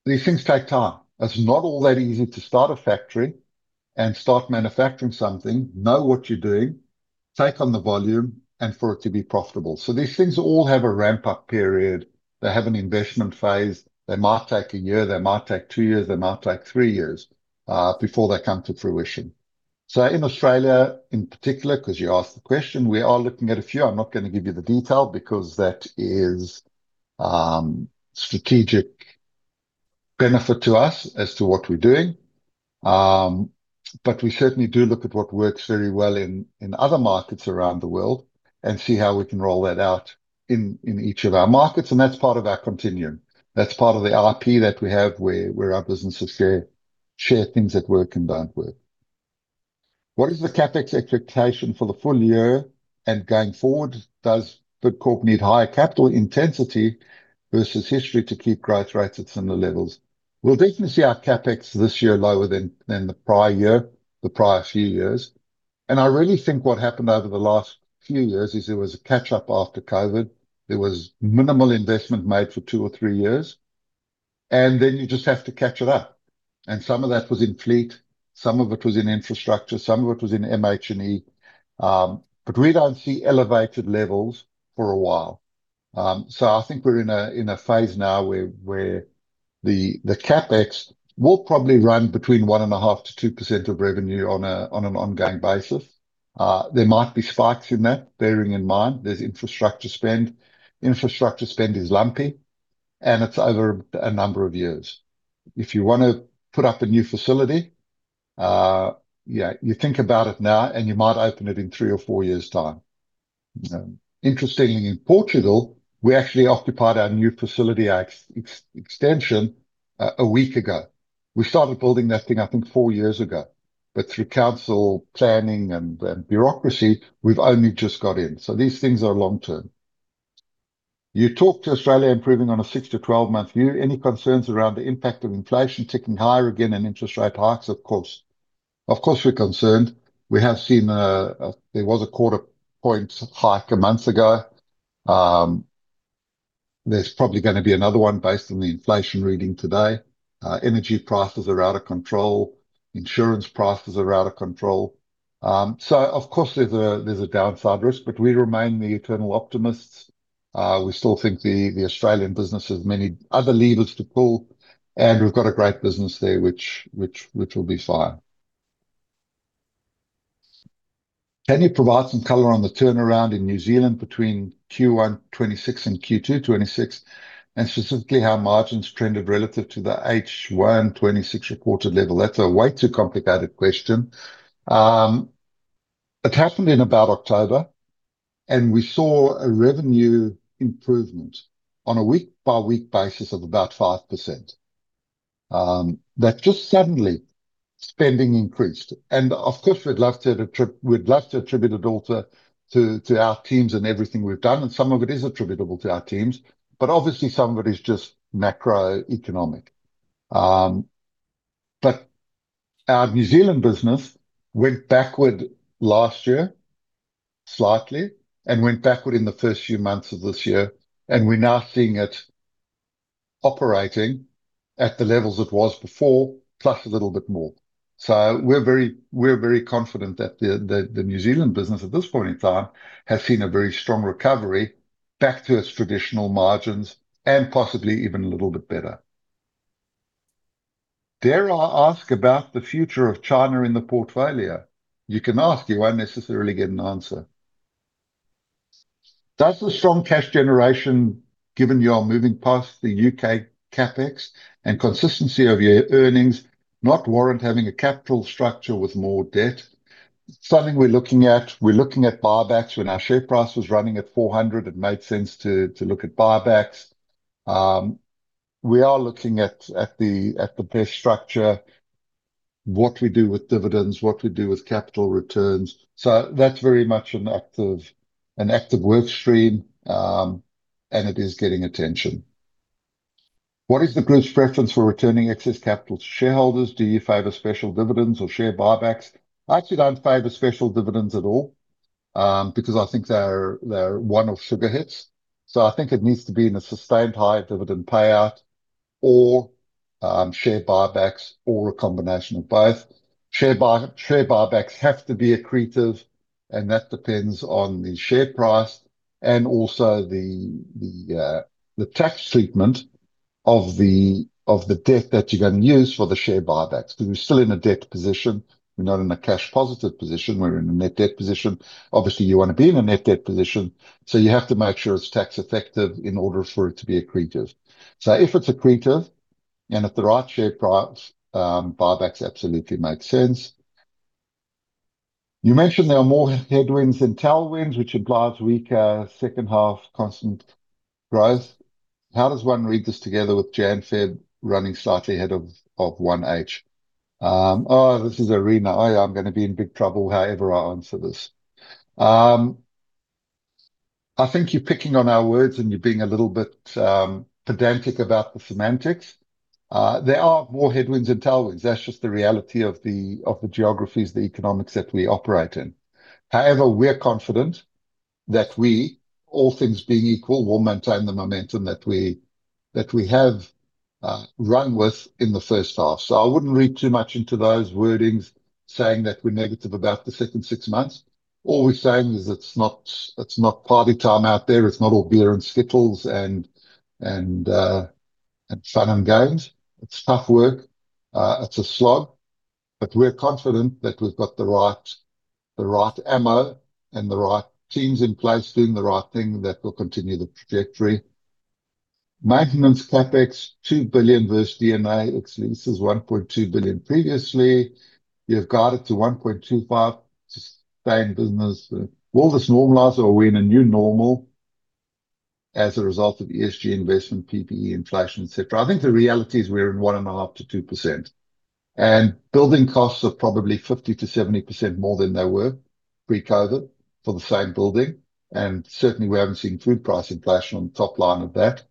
these things take time. It's not all that easy to start a factory and start manufacturing something, know what you're doing, take on the volume, and for it to be profitable. These things all have a ramp-up period. They have an investment phase. They might take one year, they might take three years, they might take three years, before they come to fruition. In Australia in particular, because you asked the question, we are looking at a few. I'm not gonna give you the detail because that is strategic benefit to us as to what we're doing. We certainly do look at what works very well in other markets around the world and see how we can roll that out in each of our markets, and that's part of our continuum. That's part of the IP that we have, where our businesses share things that work and don't work. What is the CapEx expectation for the full year, and going forward, does the corp need higher capital intensity versus history to keep growth rates at similar levels? We'll definitely see our CapEx this year lower than the prior year, the prior few years, and I really think what happened over the last few years is there was a catch-up after COVID. There was minimal investment made for two or three years, and then you just have to catch it up. Some of that was in fleet, some of it was in infrastructure, some of it was in MH&E. We don't see elevated levels for a while. I think we're in a phase now where the CapEx will probably run between 1.5%-2% of revenue on an ongoing basis. There might be spikes in that, bearing in mind there's infrastructure spend. Infrastructure spend is lumpy, and it's over a number of years. If you wanna put up a new facility, you think about it now, and you might open it in three or four years' time. Interestingly, in Portugal, we actually occupied our new facility extension a week ago. We started building that thing, I think, four years ago, but through council planning and bureaucracy, we've only just got in. These things are long-term. You talked to Australia improving on a six-12 month view. Any concerns around the impact of inflation ticking higher again and interest rate hikes? Of course. Of course, we're concerned. We have seen there was a quarter point hike a month ago. There's probably gonna be another one based on the inflation reading today. Energy prices are out of control. Insurance prices are out of control. Of course, there's a downside risk, but we remain the eternal optimists. We still think the Australian business has many other levers to pull, and we've got a great business there, which will be fine. "Can you provide some color on the turnaround in New Zealand between Q1 2026 and Q2 2026, and specifically, how margins trended relative to the H1 2026 reported level?" That's a way too complicated question. It happened in about October, and we saw a revenue improvement on a week-by-week basis of about 5%. That just suddenly spending increased. Of course, we'd love to attribute it all to our teams and everything we've done. Some of it is attributable to our teams. Obviously some of it is just macroeconomic. Our New Zealand business went backward last year slightly. Went backward in the first few months of this year. We're now seeing it operating at the levels it was before, plus a little bit more. We're very confident that the New Zealand business at this point in time, has seen a very strong recovery back to its traditional margins. Possibly even a little bit better. "Dare I ask about the future of China in the portfolio?" You can ask. You won't necessarily get an answer. Does the strong cash generation, given you are moving past the U.K. CapEx and consistency of your earnings, not warrant having a capital structure with more debt?" Something we're looking at. We're looking at buybacks. When our share price was running at 400, it made sense to look at buybacks. We are looking at the best structure, what we do with dividends, what we do with capital returns. That's very much an active work stream, and it is getting attention. "What is the group's preference for returning excess capital to shareholders? Do you favor special dividends or share buybacks?" I actually don't favor special dividends at all, because I think they're one-off sugar hits. I think it needs to be in a sustained high dividend payout or share buybacks or a combination of both. Share buybacks have to be accretive, and that depends on the share price and also the tax treatment of the debt that you're going to use for the share buybacks. We're still in a debt position. We're not in a cash positive position. We're in a net debt position. You want to be in a net debt position. You have to make sure it's tax effective in order for it to be accretive. If it's accretive, and at the right share price, buybacks absolutely make sense. "You mentioned there are more headwinds than tailwinds, which implies weaker second half constant growth. How does one read this together with Jan-Feb running slightly ahead of 1H?" Oh, this is Arena. I am going to be in big trouble however I answer this. I think you're picking on our words, and you're being a little bit pedantic about the semantics. There are more headwinds than tailwinds. That's just the reality of the geographies, the economics that we operate in. However, we're confident that we, all things being equal, will maintain the momentum that we have run with in the first half. I wouldn't read too much into those wordings saying that we're negative about the second six months. All we're saying is it's not party time out there. It's not all beer and skittles and fun and games. It's tough work. It's a slog, but we're confident that we've got the right ammo and the right teams in place doing the right thing that will continue the trajectory. Maintenance CapEx, 2 billion versus D&A expenses, 1.2 billion. Previously, you've guided to 1.25 to stay in business. Will this normalize or are we in a new normal as a result of ESG investment, PPE, inflation, et cetera?" I think the reality is we're in 1.5%-2%, and building costs are probably 50%-70% more than they were pre-COVID for the same building, and certainly, we haven't seen food price inflation on the top line of that,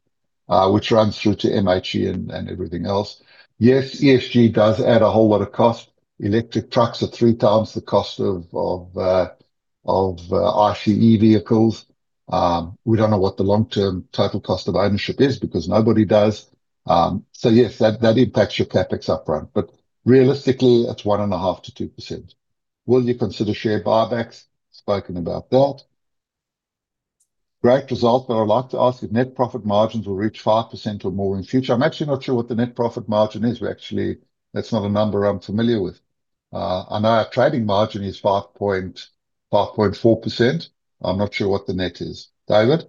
which runs through to MHC and everything else. Yes, ESG does add a whole lot of cost. Electric trucks are 3x the cost of ICE vehicles. We don't know what the long-term total cost of ownership is because nobody does. Yes, that impacts your CapEx upfront, but realistically, it's 1.5%-2%. "Will you consider share buybacks?" Spoken about that. "Great result, I'd like to ask if net profit margins will reach 5% or more in future?" I'm actually not sure what the net profit margin is. That's not a number I'm familiar with. I know our trading margin is 5.4%. I'm not sure what the net is. David,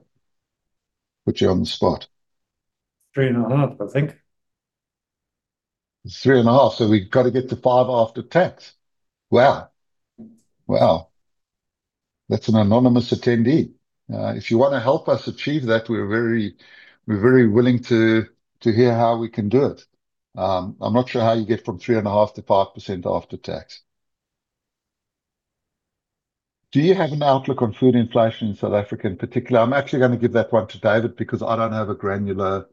put you on the spot. 3.5, I think. It's 3.5%, we've got to get to 5% after tax. Wow, that's an anonymous attendee. If you wanna help us achieve that, we're very willing to hear how we can do it. I'm not sure how you get from 3.5%-5% after tax. Do you have an outlook on food inflation in South Africa in particular? I'm actually gonna give that one to David, because I don't have a granular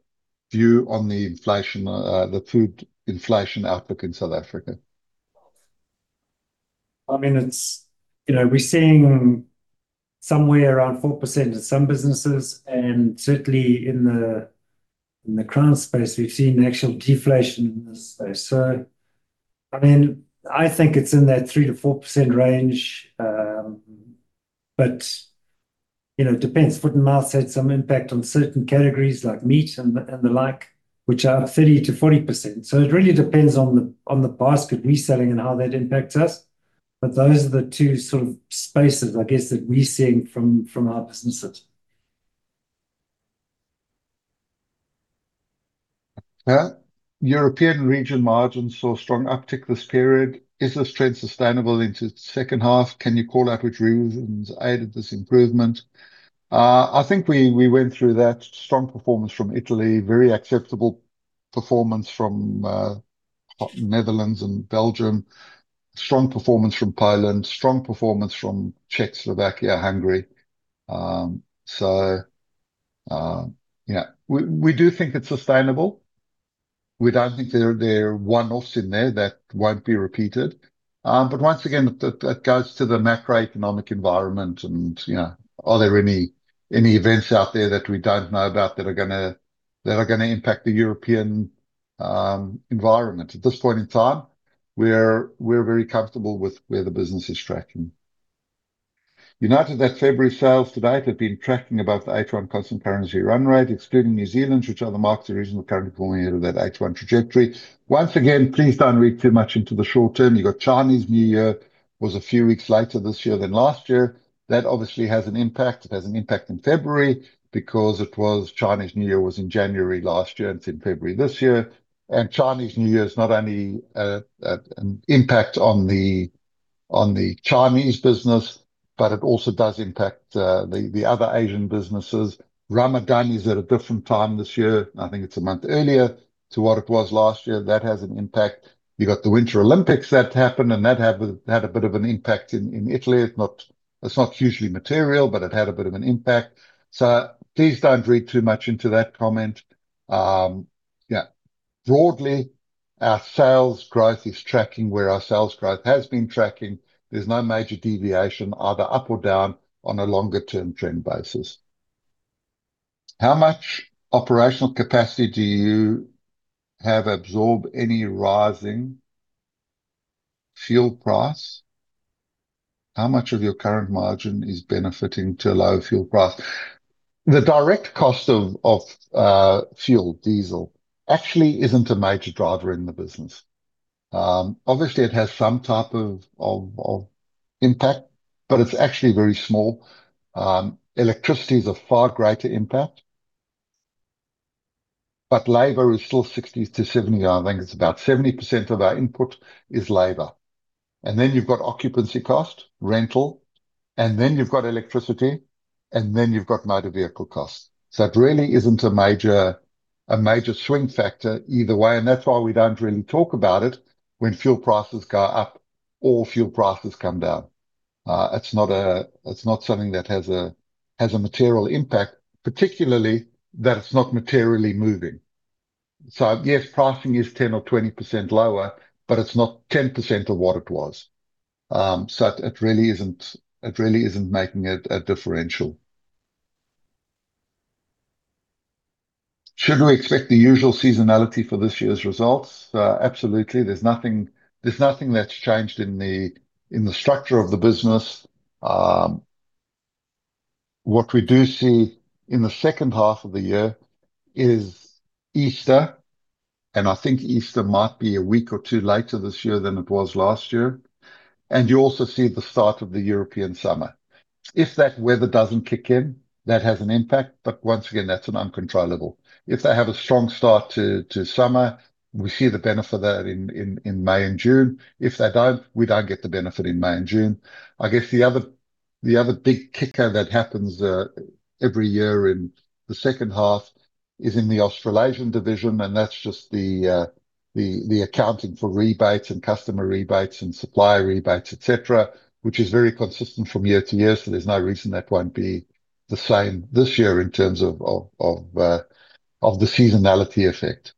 view on the inflation, the food inflation outlook in South Africa. I mean, it's, you know, we're seeing somewhere around 4% in some businesses, and certainly in the Crown space, we've seen actual deflation in the space. I mean, I think it's in that 3%-4% range. You know, it depends. Foot and Mouth had some impact on certain categories like meat and the like, which are 30%-40%. It really depends on the basket we're selling and how that impacts us. Those are the two sort of spaces, I guess, that we're seeing from our businesses. Yeah. European region margins saw strong uptick this period. Is this trend sustainable into the second half? Can you call out which reasons aided this improvement? I think we went through that strong performance from Italy, very acceptable performance from Netherlands and Belgium. Strong performance from Poland, strong performance from Czech, Slovakia, Hungary. Yeah, we do think it's sustainable. We don't think there are one-offs in there that won't be repeated. Once again, that goes to the macroeconomic environment and, you know, are there any events out there that we don't know about that are gonna impact the European environment? At this point in time, we're very comfortable with where the business is tracking. United, that February sales to date have been tracking above the H1 constant currency run rate, excluding New Zealand, which are the markets the reason we're currently pulling out of that H1 trajectory. Once again, please don't read too much into the short term. You got Chinese New Year was a few weeks later this year than last year. That obviously has an impact. It has an impact in February because it was Chinese New Year was in January last year, and it's in February this year. Chinese New Year is not only an impact on the Chinese business, but it also does impact the other Asian businesses. Ramadan is at a different time this year. I think it's a month earlier to what it was last year. That has an impact. You got the Winter Olympics that happened, that had a bit of an impact in Italy. It's not hugely material, but it had a bit of an impact. Please don't read too much into that comment. Broadly, our sales growth is tracking where our sales growth has been tracking. There's no major deviation, either up or down, on a longer-term trend basis. How much operational capacity do you have absorbed any rising fuel price? How much of your current margin is benefiting to low fuel price? The direct cost of fuel, diesel, actually isn't a major driver in the business. Obviously, it has some type of impact, but it's actually very small. Electricity is a far greater impact. Labor is still 60-70 I think it's about 70% of our input is labor. You've got occupancy cost, rental, and then you've got electricity, and then you've got motor vehicle costs. It really isn't a major swing factor either way, and that's why we don't really talk about it when fuel prices go up or fuel prices come down. It's not something that has a material impact, particularly that it's not materially moving. Yes, pricing is 10% or 20% lower, but it's not 10% of what it was. It really isn't making a differential. Should we expect the usual seasonality for this year's results? Absolutely. There's nothing that's changed in the structure of the business. What we do see in the second half of the year is Easter, and I think Easter might be a week or two later this year than it was last year, and you also see the start of the European summer. If that weather doesn't kick in, that has an impact, but once again, that's an uncontrollable. If they have a strong start to summer, we see the benefit of that in May and June. If they don't, we don't get the benefit in May and June. I guess the other big kicker that happens every year in the second half is in the Australasian division, that's just the accounting for rebates and customer rebates and supplier rebates, et cetera, which is very consistent from year to year, there's no reason that won't be the same this year in terms of the seasonality effect.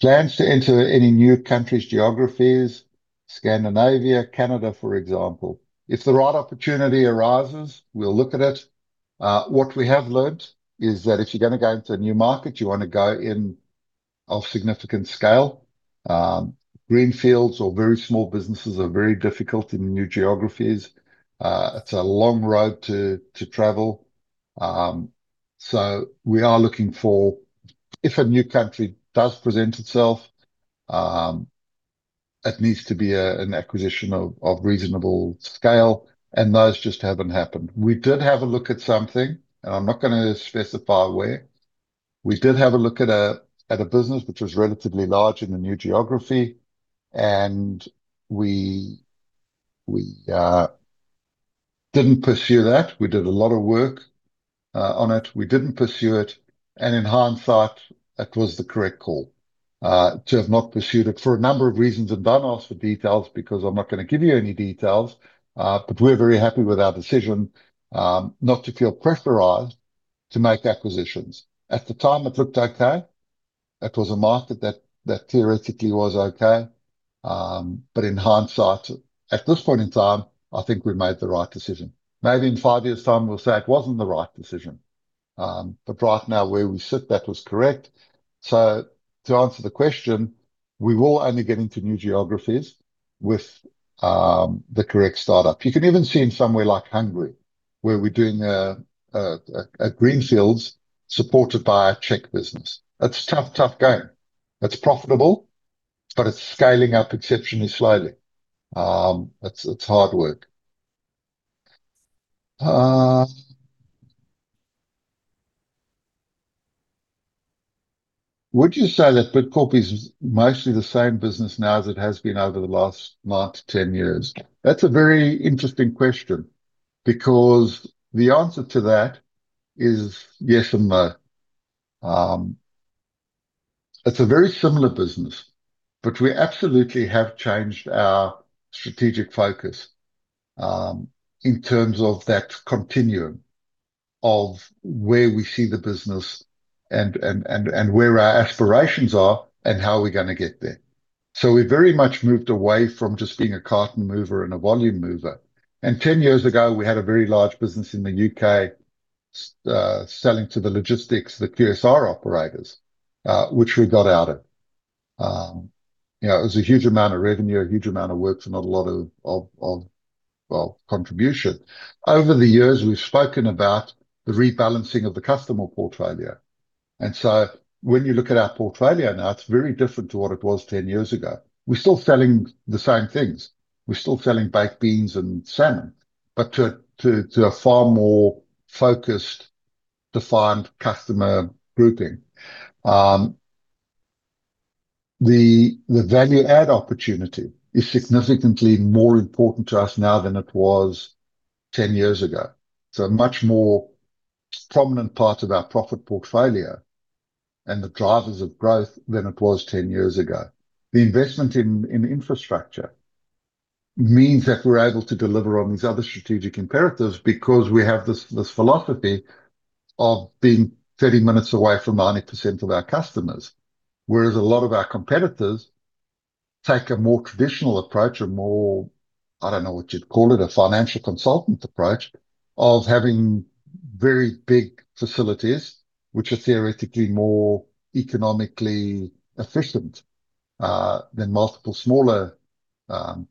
Plans to enter any new countries, geographies, Scandinavia, Canada, for example? If the right opportunity arises, we'll look at it. What we have learned is that if you're gonna go into a new market, you wanna go in of significant scale. Greenfields or very small businesses are very difficult in new geographies. It's a long road to travel. We are looking for. If a new country does present itself, it needs to be an acquisition of reasonable scale. Those just haven't happened. We did have a look at something. I'm not gonna specify where. We did have a look at a business which was relatively large in the new geography. We didn't pursue that. We did a lot of work on it. We didn't pursue it. In hindsight, that was the correct call to have not pursued it for a number of reasons. Don't ask for details because I'm not gonna give you any details. We're very happy with our decision not to feel pressurized to make acquisitions. At the time, it looked okay. It was a market that theoretically was okay. In hindsight, at this point in time, I think we made the right decision. Maybe in five years' time, we'll say it wasn't the right decision. Right now, where we sit, that was correct. To answer the question, we will only get into new geographies with the correct startup. You can even see in somewhere like Hungary, where we're doing a greenfields supported by a Czech business. That's tough game. It's profitable, but it's scaling up exceptionally slowly. It's hard work. Would you say that Bidcorp is mostly the same business now as it has been over the last nine-10 years? That's a very interesting question, because the answer to that is yes and no. It's a very similar business, but we absolutely have changed our strategic focus in terms of that continuum of where we see the business and, and where our aspirations are and how we're gonna get there. We've very much moved away from just being a carton mover and a volume mover, and 10 years ago, we had a very large business in the U.K. selling to the logistics, the QSR operators, which we got out of. You know, it was a huge amount of revenue, a huge amount of work, and not a lot of, of, well, contribution. Over the years, we've spoken about the rebalancing of the customer portfolio, when you look at our portfolio now, it's very different to what it was 10 years ago. We're still selling the same things. We're still selling baked beans and salmon, to a far more focused, defined customer grouping. The value-add opportunity is significantly more important to us now than it was 10 years ago, a much more prominent part of our profit portfolio and the drivers of growth than it was 10 years ago. The investment in infrastructure means that we're able to deliver on these other strategic imperatives because we have this philosophy of being 30 minutes away from 90% of our customers, whereas a lot of our competitors take a more traditional approach, a more, I don't know what you'd call it, a financial consultant approach, of having very big facilities, which are theoretically more economically efficient, than multiple smaller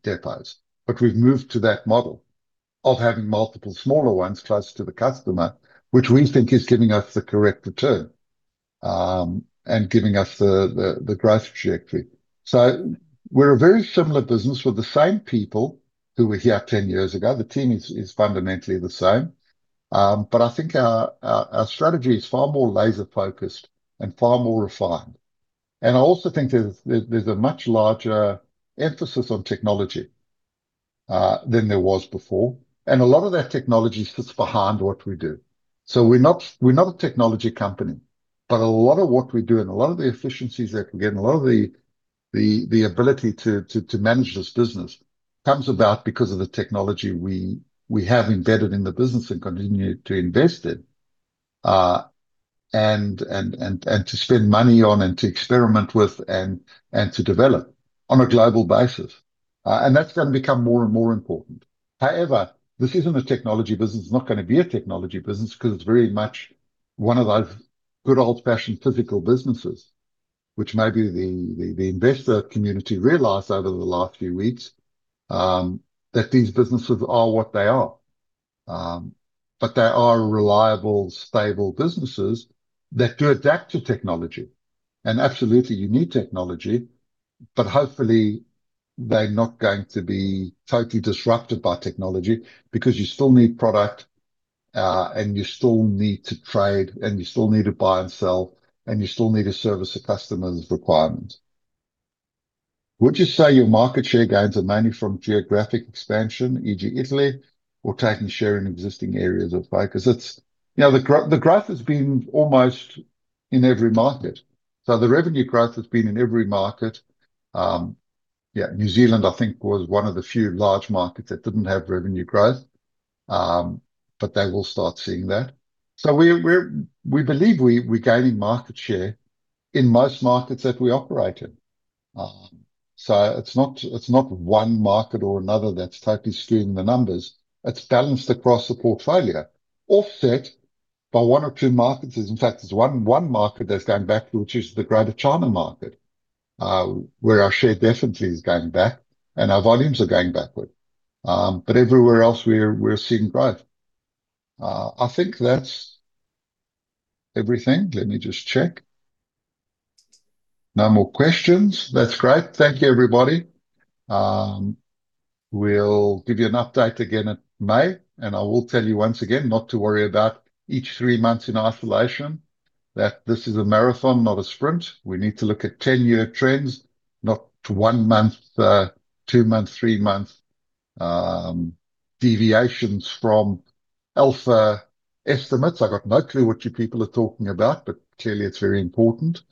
depots. We've moved to that model of having multiple smaller ones close to the customer, which we think is giving us the correct return, and giving us the growth trajectory. We're a very similar business with the same people who were here 10 years ago. The team is fundamentally the same. I think our strategy is far more laser-focused and far more refined, and I also think there's a much larger emphasis on technology than there was before, and a lot of that technology sits behind what we do. We're not a technology company, but a lot of what we do and a lot of the efficiencies that we get, and a lot of the ability to manage this business comes about because of the technology we have embedded in the business and continue to invest in, and to spend money on, and to experiment with, and to develop on a global basis. And that's gonna become more and more important. However, this isn't a technology business. It's not gonna be a technology business, 'cause it's very much one of those good old-fashioned physical businesses, which maybe the investor community realized over the last few weeks, that these businesses are what they are. They are reliable, stable businesses that do adapt to technology, and absolutely, you need technology, but hopefully they're not going to be totally disrupted by technology. You still need product, and you still need to trade, and you still need to buy and sell, and you still need to service a customer's requirements. Would you say your market share gains are mainly from geographic expansion, e.g., Italy, or taking share in existing areas of focus? You know, the growth has been almost in every market. The revenue growth has been in every market. Yeah, New Zealand, I think, was one of the few large markets that didn't have revenue growth. They will start seeing that. We believe we are gaining market share in most markets that we operate in. It's not one market or another that's totally skewing the numbers. It's balanced across the portfolio, offset by one or two markets. There's, in fact, there's one market that's going backward, which is the Greater China market, where our share definitely is going back and our volumes are going backward. Everywhere else, we're seeing growth. I think that's everything. Let me just check. No more questions. That's great. Thank you, everybody. We'll give you an update again in May. I will tell you once again not to worry about each three months in isolation, that this is a marathon, not a sprint. We need to look at 10-year trends, not one-month, two-month, three-month deviations from alpha estimates. I've got no clue what you people are talking about, clearly it's very important.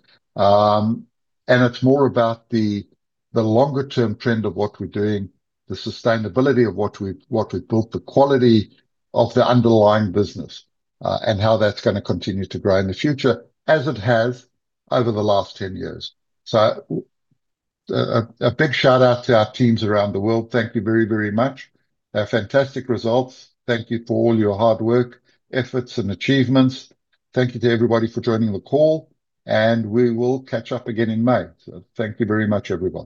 It's more about the longer-term trend of what we're doing, the sustainability of what we've, what we've built, the quality of the underlying business, and how that's gonna continue to grow in the future, as it has over the last 10 years. A big shout-out to our teams around the world. Thank you very, very much. Fantastic results. Thank you for all your hard work, efforts, and achievements. Thank you to everybody for joining the call, and we will catch up again in May. Thank you very much, everyone.